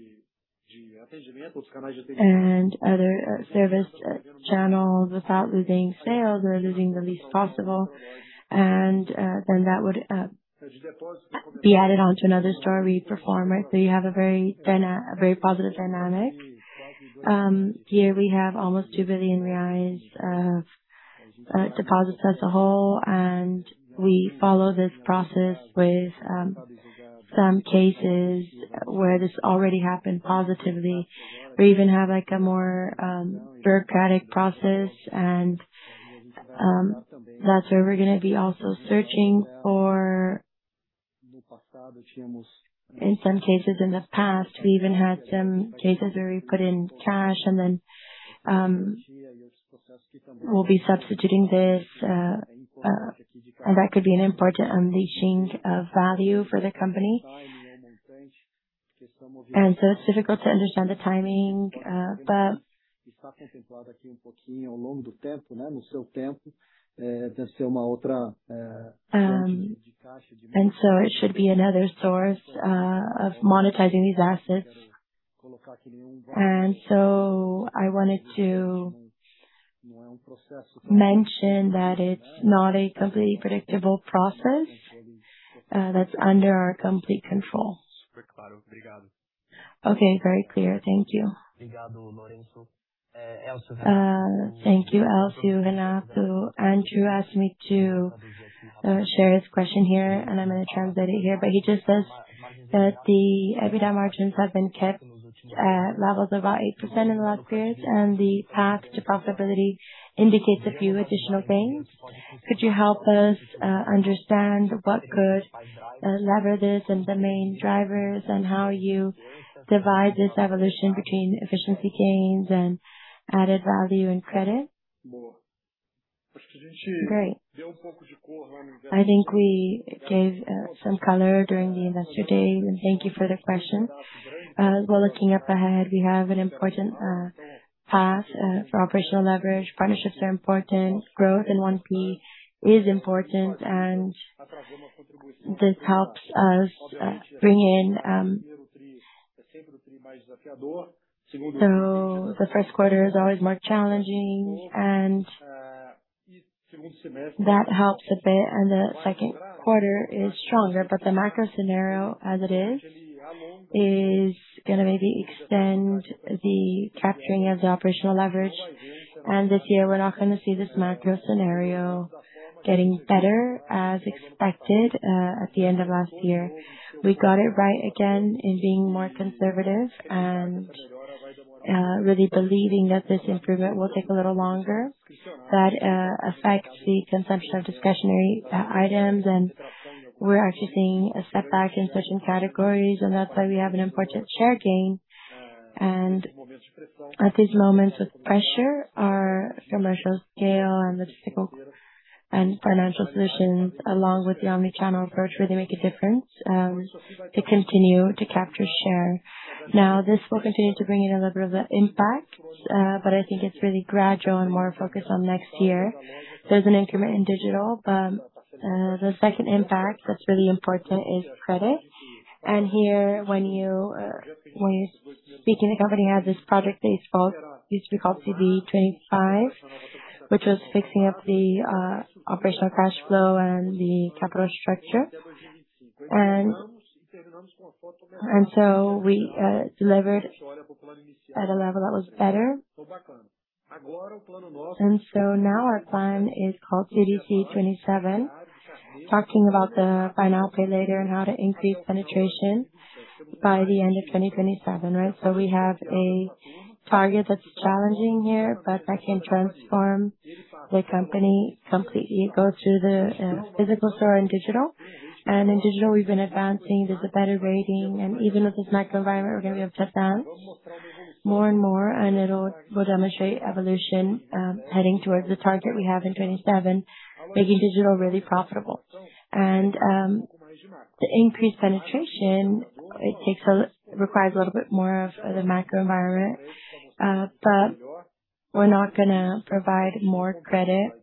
Other service channels without losing sales or losing the least possible. That would be added on to another story performer. You have a very positive dynamic. Here we have almost 2 billion reais of deposits as a whole, and we follow this process with some cases where this already happened positively. We even have, like, a more bureaucratic process, and that's where we're gonna be also searching for. In some cases in the past, we even had some cases where we put in cash. Then, we'll be substituting this, and that could be an important unleashing of value for the company. It's difficult to understand the timing, but it should be another source of monetizing these assets. I wanted to mention that it's not a completely predictable process that's under our complete control. Okay. Very clear. Thank you. Thank you, Elcio, Renato. Andrew asked me to share his question here, and I'm gonna translate it here. He just says that the EBITDA margins have been kept at levels of about 8% in the last periods, and the path to profitability indicates a few additional gains. Could you help us understand what could lever this and the main drivers and how you divide this evolution between efficiency gains and added value and credit? Great. I think we gave some color during the Investor Day. Thank you for the question. Well, looking up ahead, we have an important path for operational leverage. Partnerships are important. Growth in 1P is important, and this helps us. The first quarter is always more challenging and that helps a bit, and the second quarter is stronger. The macro scenario as it is gonna maybe extend the capturing of the operational leverage. This year we're not gonna see this macro scenario getting better as expected at the end of last year. We got it right again in being more conservative and really believing that this improvement will take a little longer. That affects the consumption of discretionary items, and we're actually seeing a setback in certain categories, and that's why we have an important share gain. At these moments with pressure, our commercial scale and logistical and financial solutions along with the omni-channel approach really make a difference to continue to capture share. Now, this will continue to bring in a little bit of the impact, but I think it's really gradual and more focused on next year. There's an increment in digital, the second impact that's really important is credit. Here when you, when you're speaking, the company has this Project Baseball, used to be called CD 25, which was fixing up the operational cash flow and the capital structure. We delivered at a level that was better. Now our plan is called CDC 27. Talking about the buy now, pay later and how to increase penetration by the end of 2027, right? We have a target that's challenging here, but that can transform the company completely both through the physical store and digital. In digital we've been advancing. There's a better rating. Even with this macro environment, we're gonna be able to advance more and more and we'll demonstrate evolution, heading towards the target we have in 2027, making digital really profitable. The increased penetration requires a little bit more of the macro environment. We're not gonna provide more credit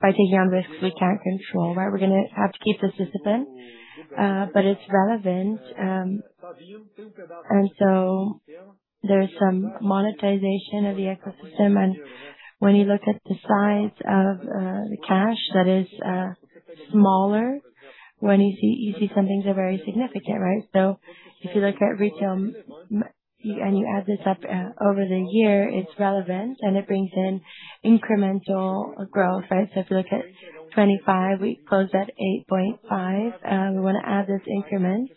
by taking on risks we can't control, right? We're gonna have to keep the discipline. It's relevant. There's some monetization of the ecosystem. When you look at the size of the cash that is smaller, when you see some things are very significant, right? If you look at retail and you add this up over the year, it's relevant and it brings in incremental growth, right? If you look at 2025, we closed at 8.5. We want to add this increment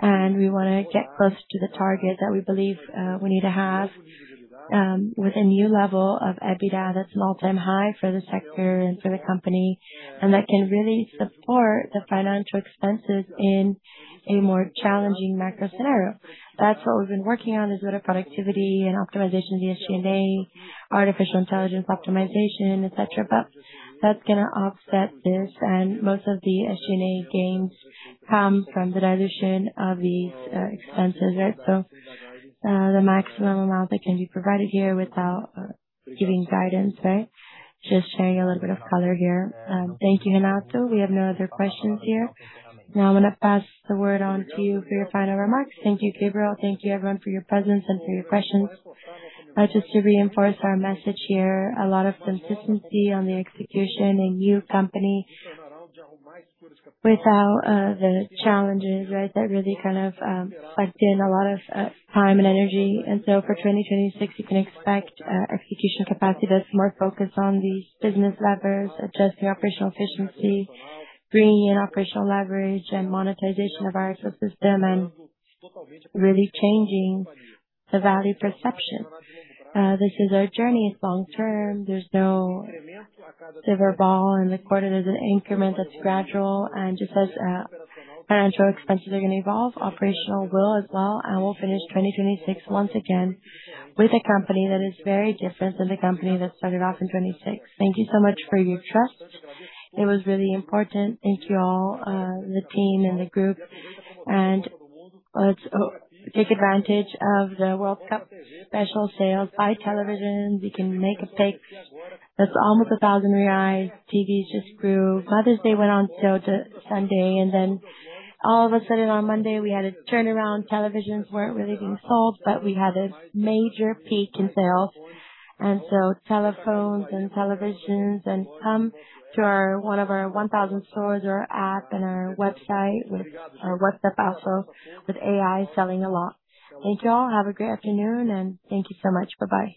and we want to get close to the target that we believe we need to have with a new level of EBITDA that's an all-time high for the sector and for the company. That can really support the financial expenses in a more challenging macro scenario. That's what we've been working on, is better productivity and optimization of the SG&A, artificial intelligence optimization, et cetera. That's gonna offset this. Most of the SG&A gains come from the dilution of these expenses, right? The maximum amount that can be provided here without giving guidance, right? Just sharing a little bit of color here. Thank you, Renato. We have no other questions here. Now I'm gonna pass the word on to you for your final remarks. Thank you, Gabriel. Thank you everyone for your presence and for your questions. Just to reinforce our message here, a lot of consistency on the execution, a new company without the challenges, right? That really kind of sucked in a lot of time and energy. For 2026 you can expect execution capacity that's more focused on the business levers, adjusting operational efficiency, bringing in operational leverage and monetization of our ecosystem and really changing the value perception. This is our journey. It's long term. There's no silver ball in the quarter. There's an increment that's gradual. Just as financial expenses are gonna evolve, operational will as well. We'll finish 2026 once again with a company that is very different than the company that started off in 2026. Thank you so much for your trust. It was really important. Thank you all, the team and the group. Let's take advantage of the World Cup special sales. Buy televisions. You can make a pick that's almost 1,000 reais. TVs just grew. Mother's Day went on sale to Sunday, and then all of a sudden on Monday we had a turnaround. Televisions weren't really being sold, but we had a major peak in sales. So telephones and televisions and come to one of our 1,000 stores or app and our website with our WhatsApp also with AI selling a lot. Thank you all. Have a great afternoon and thank you so much. Bye-bye.